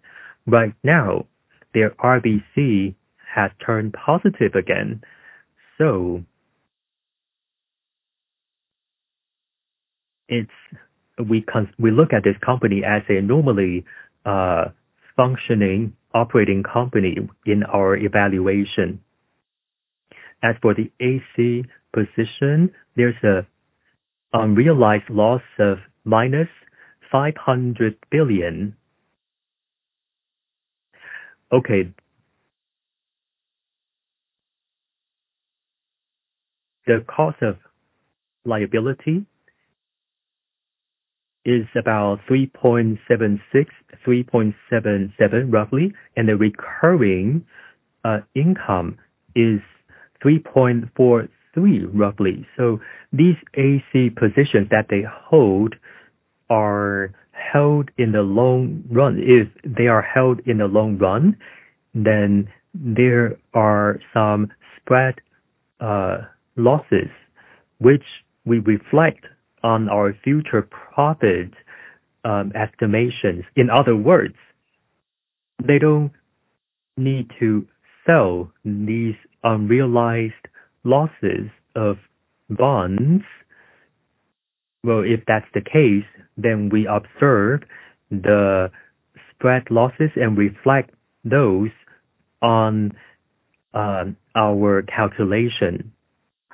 Right now, their RBC has turned positive again. We look at this company as a normally functioning, operating company in our evaluation. As for the AC position, there is an unrealized loss of -500 billion. Okay. The cost of liability is about 3.76-3.77 roughly, the recurring income is 3.43 roughly. These AC positions that they hold are held in the long run. If they are held in the long run, there are some spread losses which we reflect on our future profit estimations. In other words, they do not need to sell these unrealized losses of bonds. If that is the case, we observe the spread losses and reflect those on our calculation.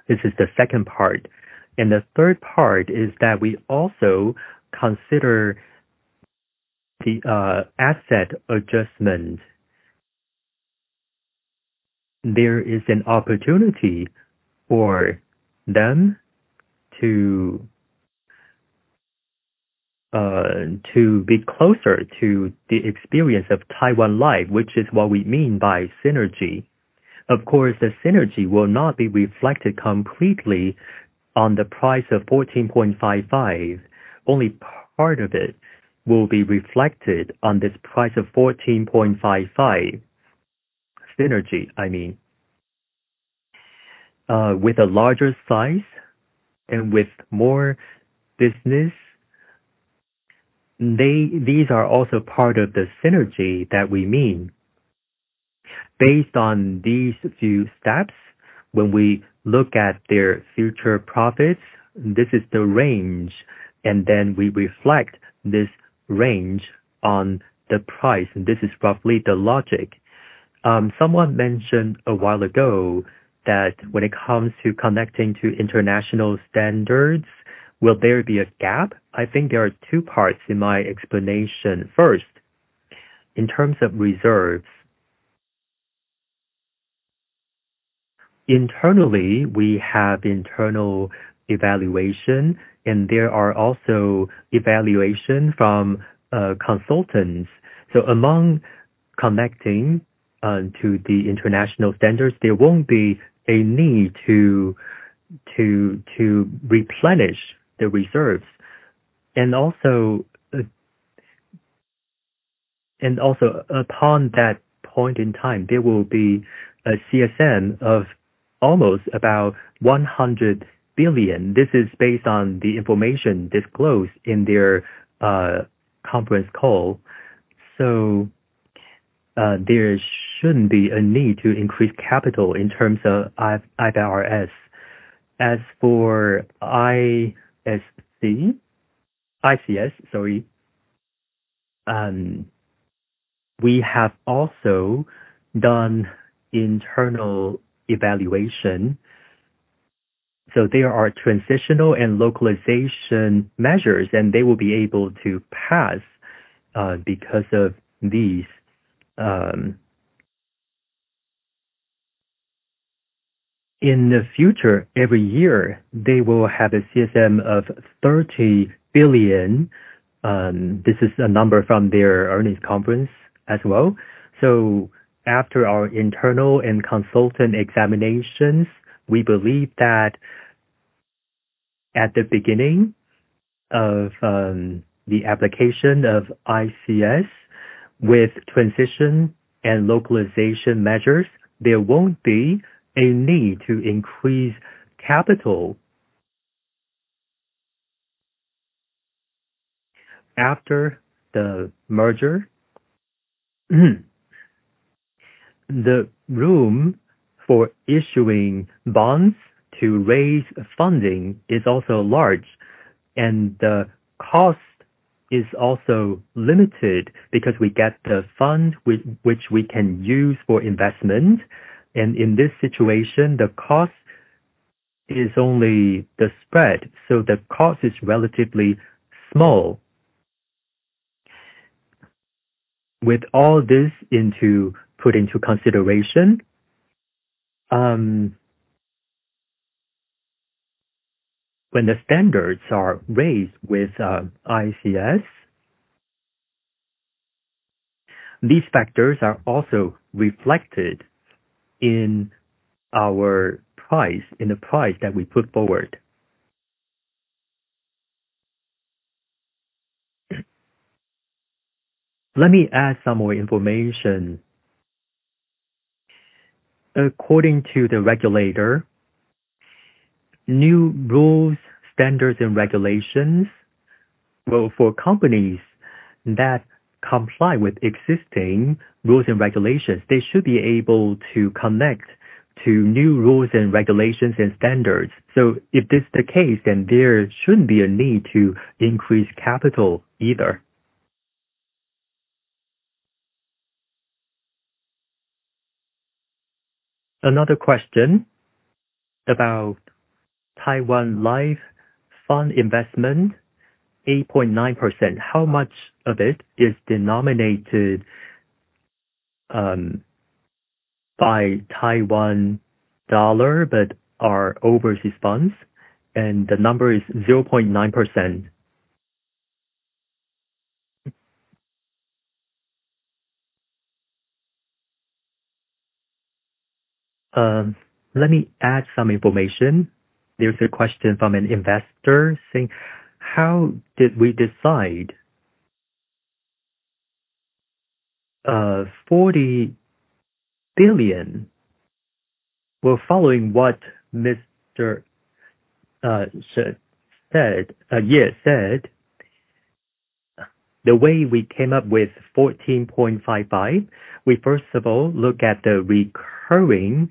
This is the second part. The third part is that we also consider the asset adjustment. There is an opportunity for them to be closer to the experience of Taiwan Life, which is what we mean by synergy. Of course, the synergy will not be reflected completely on the price of 14.55. Only part of it will be reflected on this price of 14.55. Synergy, I mean. With a larger size and with more business, these are also part of the synergy that we mean. Based on these few steps, when we look at their future profits, this is the range, and then we reflect this range on the price, and this is roughly the logic. Someone mentioned a while ago that when it comes to connecting to international standards, will there be a gap? I think there are two parts in my explanation. First, in terms of reserves, internally, we have internal evaluation, and there are also evaluation from consultants. Among connecting to the international standards, there won't be a need to replenish the reserves. Also, upon that point in time, there will be a CSM of almost about 100 billion. This is based on the information disclosed in their conference call. There shouldn't be a need to increase capital in terms of IFRS. As for ICS, we have also done internal evaluation. There are transitional and localization measures, and they will be able to pass because of these. In the future, every year, they will have a CSM of 30 billion. This is a number from their earnings conference as well. After our internal and consultant examinations, we believe that at the beginning of the application of ICS with transition and localization measures, there won't be a need to increase capital. After the merger, the room for issuing bonds to raise funding is also large, and the cost is also limited because we get the fund which we can use for investment, and in this situation, the cost is only the spread. The cost is relatively small. With all this put into consideration, when the standards are raised with ICS, these factors are also reflected in the price that we put forward. Let me add some more information. According to the regulator, new rules, standards, and regulations. Well, for companies that comply with existing rules and regulations, they should be able to connect to new rules and regulations and standards. If this is the case, then there shouldn't be a need to increase capital either. Another question about Taiwan Life Fund investment, 8.9%. How much of it is denominated by TWD but are overseas funds? The number is 0.9%. Let me add some information. There's a question from an investor saying, how did we decide TWD 40 billion? Well, following what Mr. Yeh said, the way we came up with 14.55, we first of all look at the recurring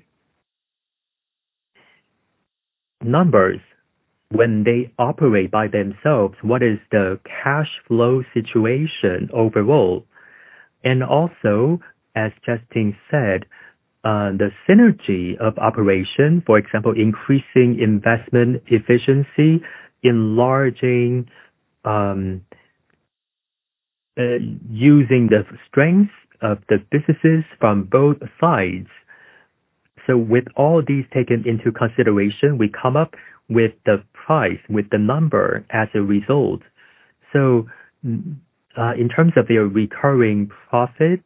numbers when they operate by themselves, what is the cash flow situation overall? Also, as Justine said, the synergy of operation, for example, increasing investment efficiency, enlarging, using the strengths of the businesses from both sides. With all these taken into consideration, we come up with the price, with the number as a result. In terms of their recurring profits,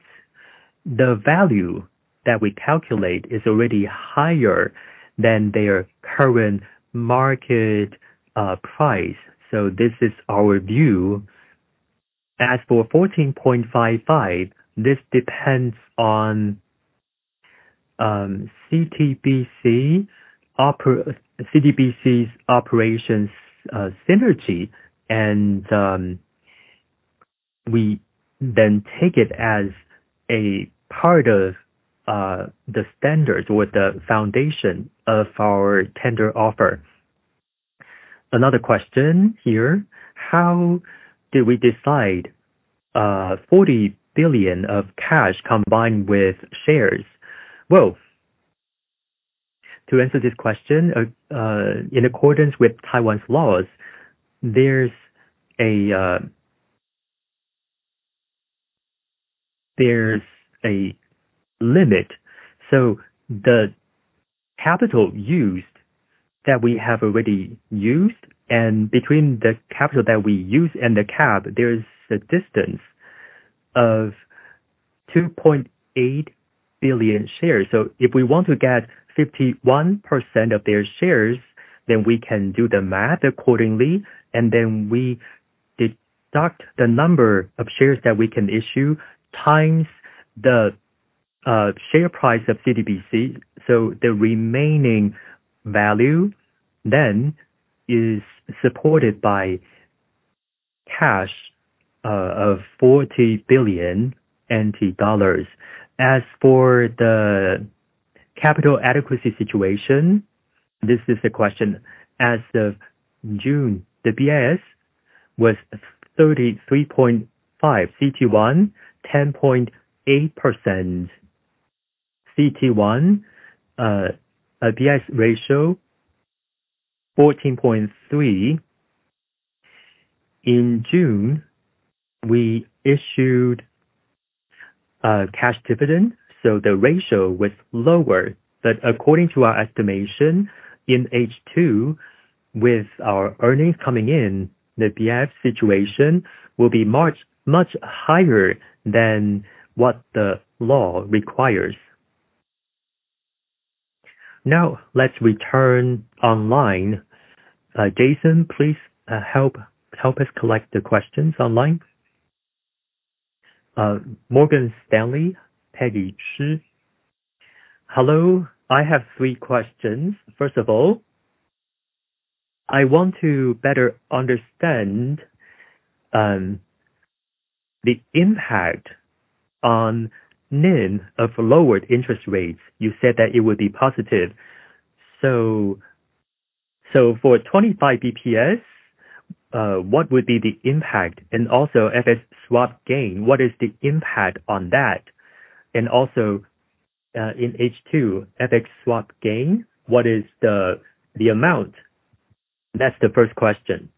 the value that we calculate is already higher than their current market price. This is our view. As for 14.55, this depends on CTBC's operations synergy, and we then take it as a part of the standards with the foundation of our tender offer. Another question here, how did we decide 40 billion of cash combined with shares? Well, to answer this question, in accordance with Taiwan's laws, there's a limit. The capital that we have already used, and between the capital that we use and the cap, there is a distance of 2.8 billion shares. If we want to get 51% of their shares, we can do the math accordingly, we deduct the number of shares that we can issue times the share price of CTBC. The remaining value is supported by cash of 40 billion NT dollars. As for the capital adequacy situation, this is the question. As of June, the BIS was 33.5%, CET1, 10.8%. CET1, BIS ratio, 14.3%. In June, we issued a cash dividend, the ratio was lower. According to our estimation, in H2, with our earnings coming in, the BIS situation will be much higher than what the law requires. Let's return online. Jason, please help us collect the questions online. Morgan Stanley, Peggy Chi. Hello, I have three questions. I want to better understand the impact on NIM of lowered interest rates. You said that it would be positive. For 25 basis points, what would be the impact? FX swap gain, what is the impact on that? In H2, FX swap gain, what is the amount? That's the first question.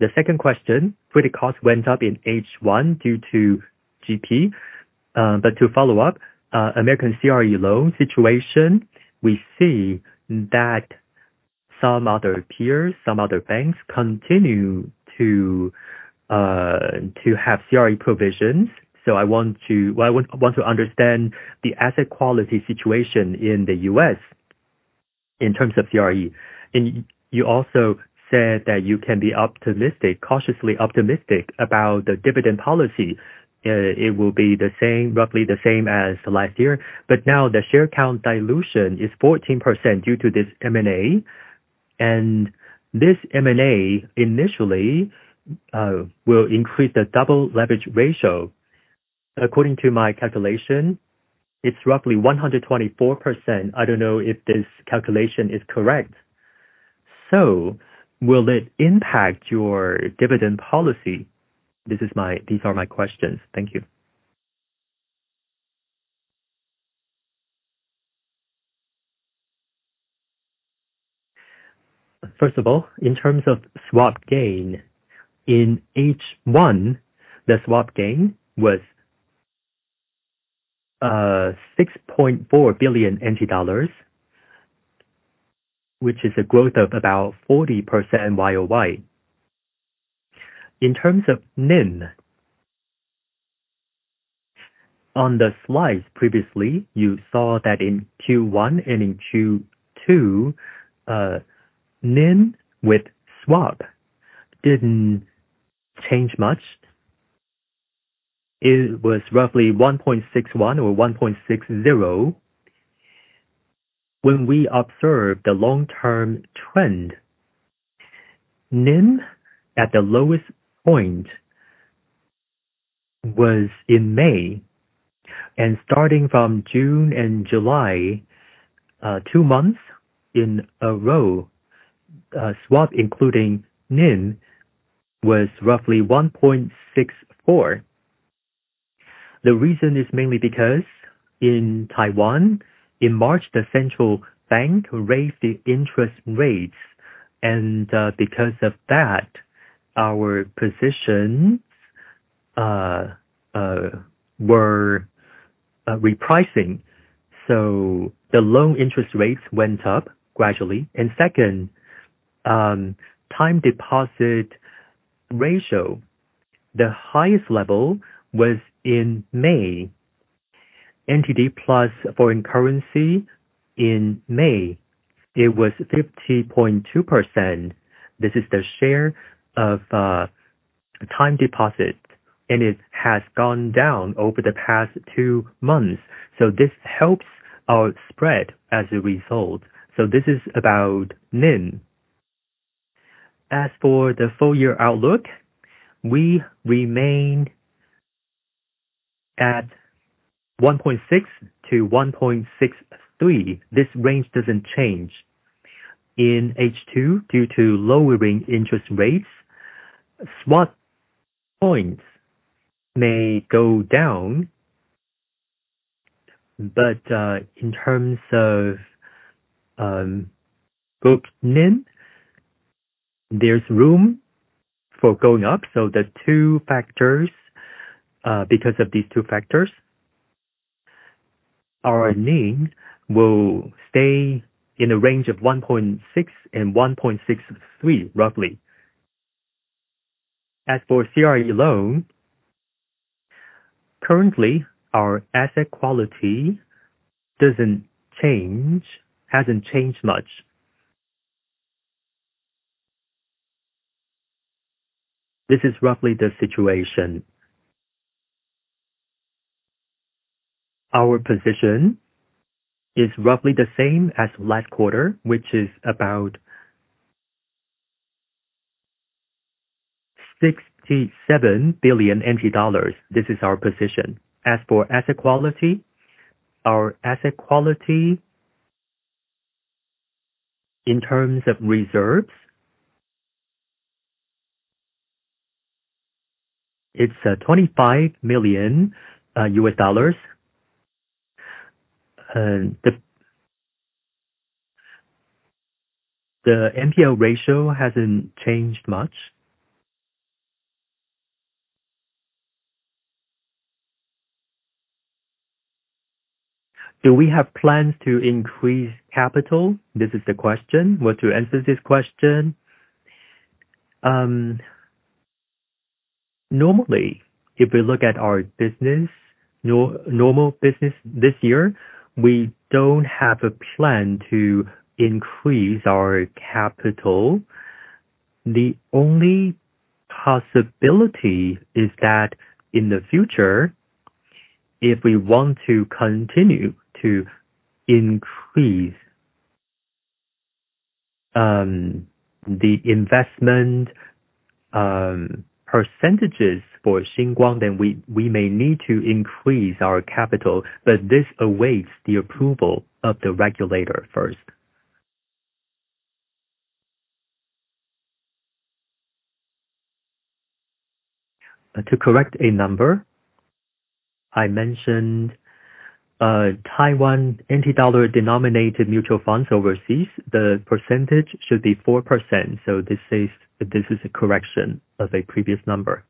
The second question, credit cost went up in H1 due to GP. To follow up, American CRE loan situation, we see that some other peers, some other banks, continue to have CRE provisions. I want to understand the asset quality situation in the U.S. in terms of CRE. You also said that you can be cautiously optimistic about the dividend policy. It will be roughly the same as last year. Now the share count dilution is 14% due to this M&A, and this M&A initially will increase the double leverage ratio. According to my calculation, it's roughly 124%. I don't know if this calculation is correct. Will it impact your dividend policy? These are my questions. Thank you. In terms of swap gain, in H1, the swap gain was 6.4 billion NT dollars, which is a growth of about 40% year-over-year. In terms of NIM, on the slides previously, you saw that in Q1 and in Q2, NIM with swap didn't change much. It was roughly 1.61% or 1.60%. When we observe the long-term trend, NIM at the lowest point was in May, starting from June and July, 2 months in a row, swap, including NIM, was roughly 1.64%. The reason is mainly because in Taiwan, in March, the central bank raised the interest rates, our positions were repricing. The loan interest rates went up gradually. Second, time deposit ratio, the highest level was in May. TWD plus foreign currency in May, it was 50.2%. This is the share of time deposit, it has gone down over the past 2 months. This helps our spread as a result. This is about NIM. As for the full-year outlook, we remain at 1.6%-1.63%. This range doesn't change. In H2, due to lowering interest rates, swap points may go down, in terms of book NIM, there's room for going up. Because of these 2 factors, our NIM will stay in a range of 1.6% and 1.63%, roughly. As for CRE loan, currently, our asset quality hasn't changed much. This is roughly the situation. Our position is roughly the same as last quarter, which is about 67 billion dollars. This is our position. As for asset quality, our asset quality in terms of reserves, it's $25 million. The NPL ratio hasn't changed much. Do we have plans to increase capital? This is the question. Well, to answer this question, normally, if we look at our normal business this year, we don't have a plan to increase our capital. The only possibility is that in the future If we want to continue to increase the investment percentages for Shin Kong, then we may need to increase our capital, but this awaits the approval of the regulator first. To correct a number, I mentioned Taiwan NTD-denominated mutual funds overseas. The percentage should be 4%. This is a correction of a previous number.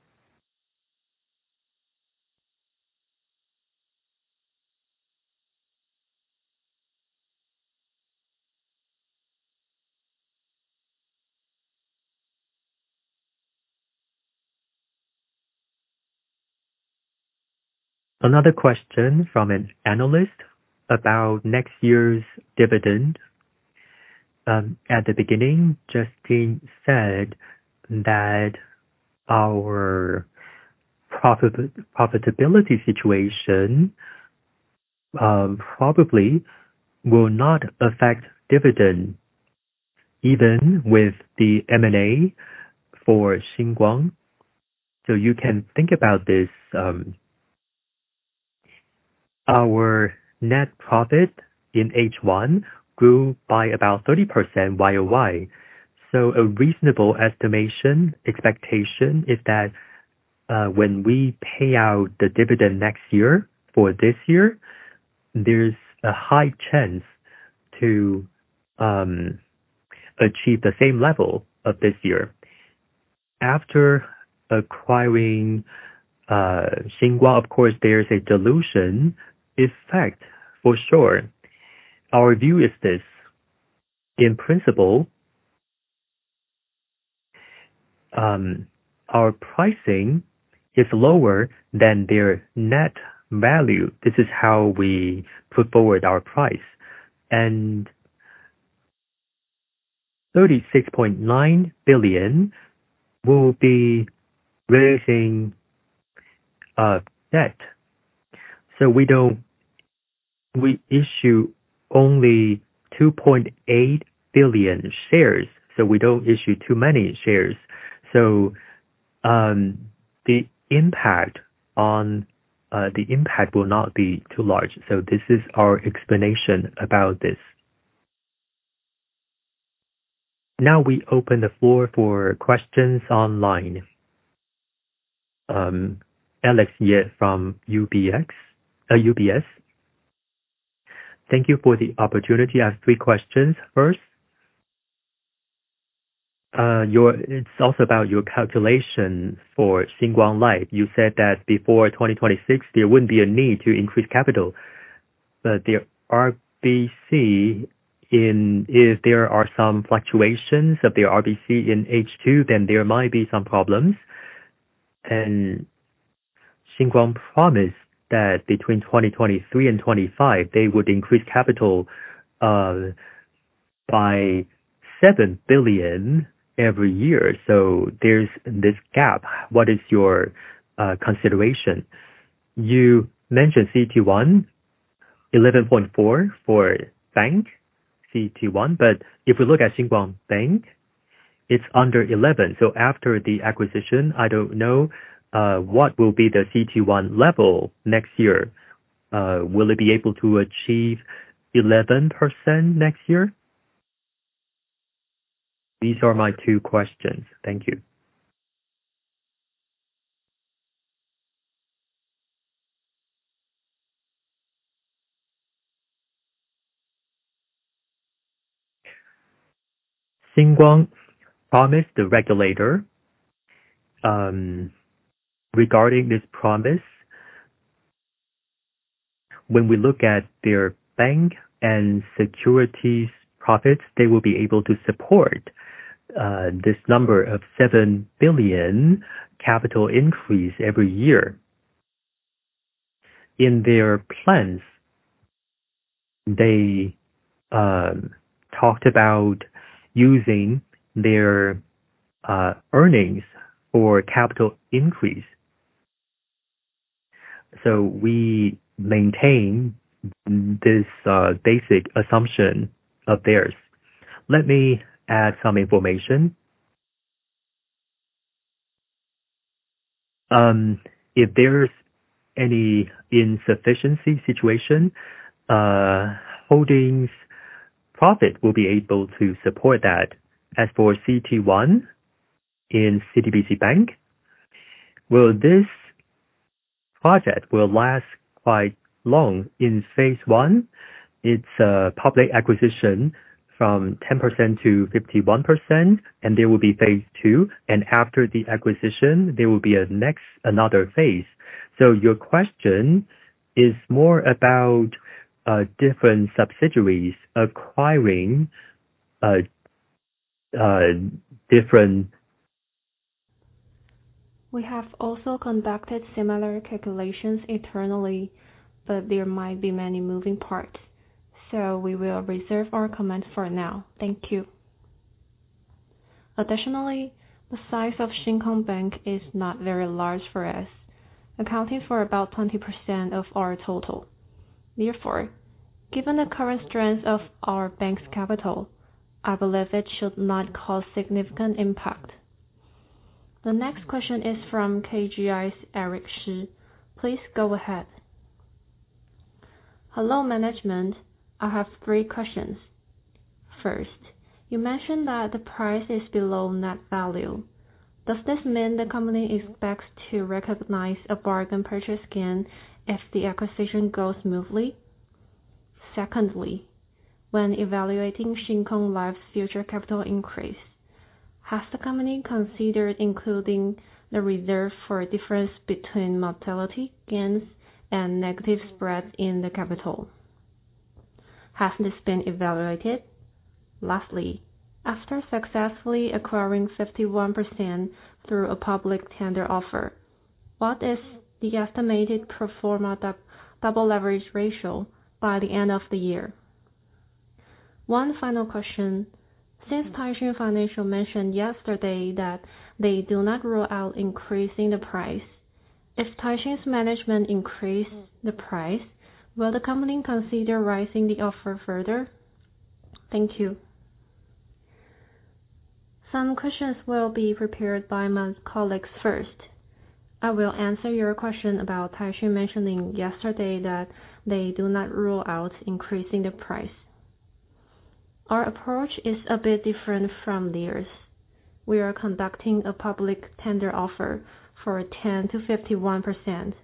Another question from an analyst about next year's dividend. At the beginning, Justine said that our profitability situation probably will not affect dividend, even with the M&A for Shin Kong. You can think about this. Our net profit in H1 grew by about 30% year-over-year. A reasonable estimation expectation is that when we pay out the dividend next year for this year, there's a high chance to achieve the same level of this year. After acquiring Shin Kong, of course, there is a dilution effect for sure. Our view is this. In principle, our pricing is lower than their net value. This is how we put forward our price. 36.9 billion will be raising a debt. We issue only 2.8 billion shares. We don't issue too many shares. The impact will not be too large. This is our explanation about this. Now we open the floor for questions online. Alex Yeh from UBS. Thank you for the opportunity. I have three questions. First, it's also about your calculation for Shin Kong Life. You said that before 2026, there wouldn't be a need to increase capital. If there are some fluctuations of their RBC in H2, then there might be some problems. Shin Kong promised that between 2023 and 2025, they would increase capital by 7 billion every year. There's this gap. What is your consideration? You mentioned CET1, 11.4 for bank CET1. If we look at Shin Kong Bank, it's under 11. After the acquisition, I don't know what will be the CET1 level next year. Will it be able to achieve 11% next year? These are my two questions. Thank you. Shin Kong promised the regulator. Regarding this promise, when we look at their bank and securities profits, they will be able to support this number of 7 billion capital increase every year. In their plans, they talked about using their earnings for capital increase. We maintain this basic assumption of theirs. Let me add some information. If there's any insufficiency situation, Holding's profit will be able to support that. As for CET1 in CTBC Bank, well, this project will last quite long. In phase I, it's a public acquisition from 10% to 51%. There will be phase II. After the acquisition, there will be another phase. Your question is more about different subsidiaries acquiring different- We have also conducted similar calculations internally, there might be many moving parts. We will reserve our comments for now. Thank you. Additionally, the size of Shin Kong Bank is not very large for us, accounting for about 20% of our total. Given the current strength of our bank's capital, I believe it should not cause significant impact. The next question is from KGI's Eric Shih. Please go ahead. Hello, management. I have three questions. First, you mentioned that the price is below net value. Does this mean the company expects to recognize a bargain purchase gain if the acquisition goes smoothly? Secondly, when evaluating Shin Kong Life's future capital increase, has the company considered including the reserve for the difference between mortality gains and negative spreads in the capital? Has this been evaluated? Lastly, after successfully acquiring 51% through a public tender offer, what is the estimated pro forma double leverage ratio by the end of the year? One final question. Taishin Financial mentioned yesterday that they do not rule out increasing the price, if Taishin's management increases the price, will the company consider raising the offer further? Thank you. Some questions will be prepared by my colleagues first. I will answer your question about Taishin mentioning yesterday that they do not rule out increasing the price. Our approach is a bit different from theirs. We are conducting a public tender offer for 10% to 51%,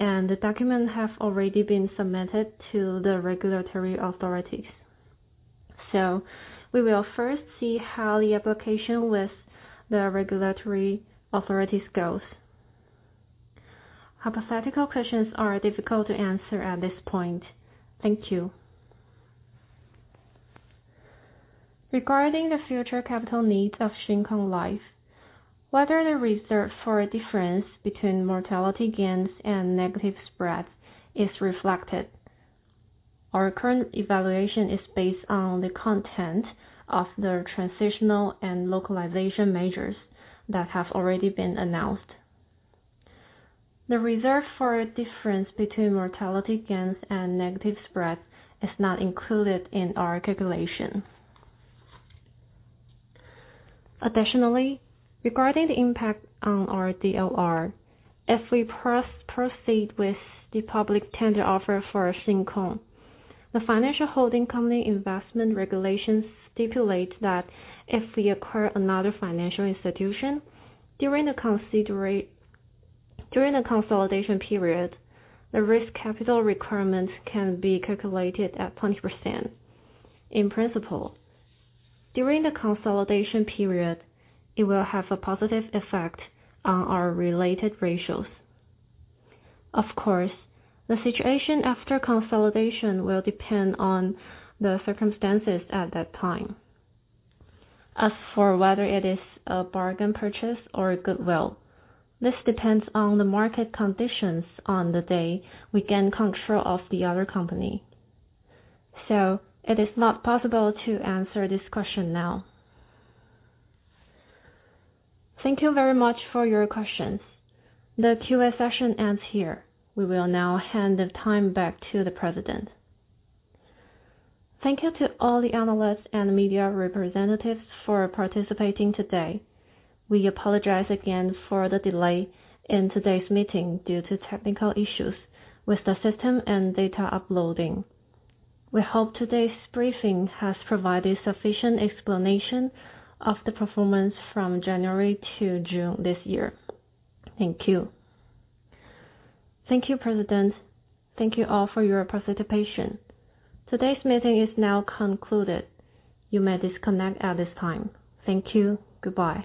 and the documents have already been submitted to the regulatory authorities. We will first see how the application with the regulatory authorities goes. Hypothetical questions are difficult to answer at this point. Thank you. Regarding the future capital needs of Shin Kong Life, whether the reserve for the difference between mortality gains and negative spreads is reflected, our current evaluation is based on the content of the transitional and localization measures that have already been announced. The reserve for the difference between mortality gains and negative spreads is not included in our calculation. Additionally, regarding the impact on our DLR, if we proceed with the public tender offer for Shin Kong, the financial holding company investment regulations stipulate that if we acquire another financial institution, during the consolidation period, the risk capital requirement can be calculated at 20%. During the consolidation period, it will have a positive effect on our related ratios. The situation after consolidation will depend on the circumstances at that time. Whether it is a bargain purchase or goodwill, this depends on the market conditions on the day we gain control of the other company. It is not possible to answer this question now. Thank you very much for your questions. The Q&A session ends here. We will now hand the time back to the president. Thank you to all the analysts and media representatives for participating today. We apologize again for the delay in today's meeting due to technical issues with the system and data uploading. We hope today's briefing has provided sufficient explanation of the performance from January to June this year. Thank you. Thank you, President. Thank you all for your participation. Today's meeting is now concluded. You may disconnect at this time. Thank you. Goodbye.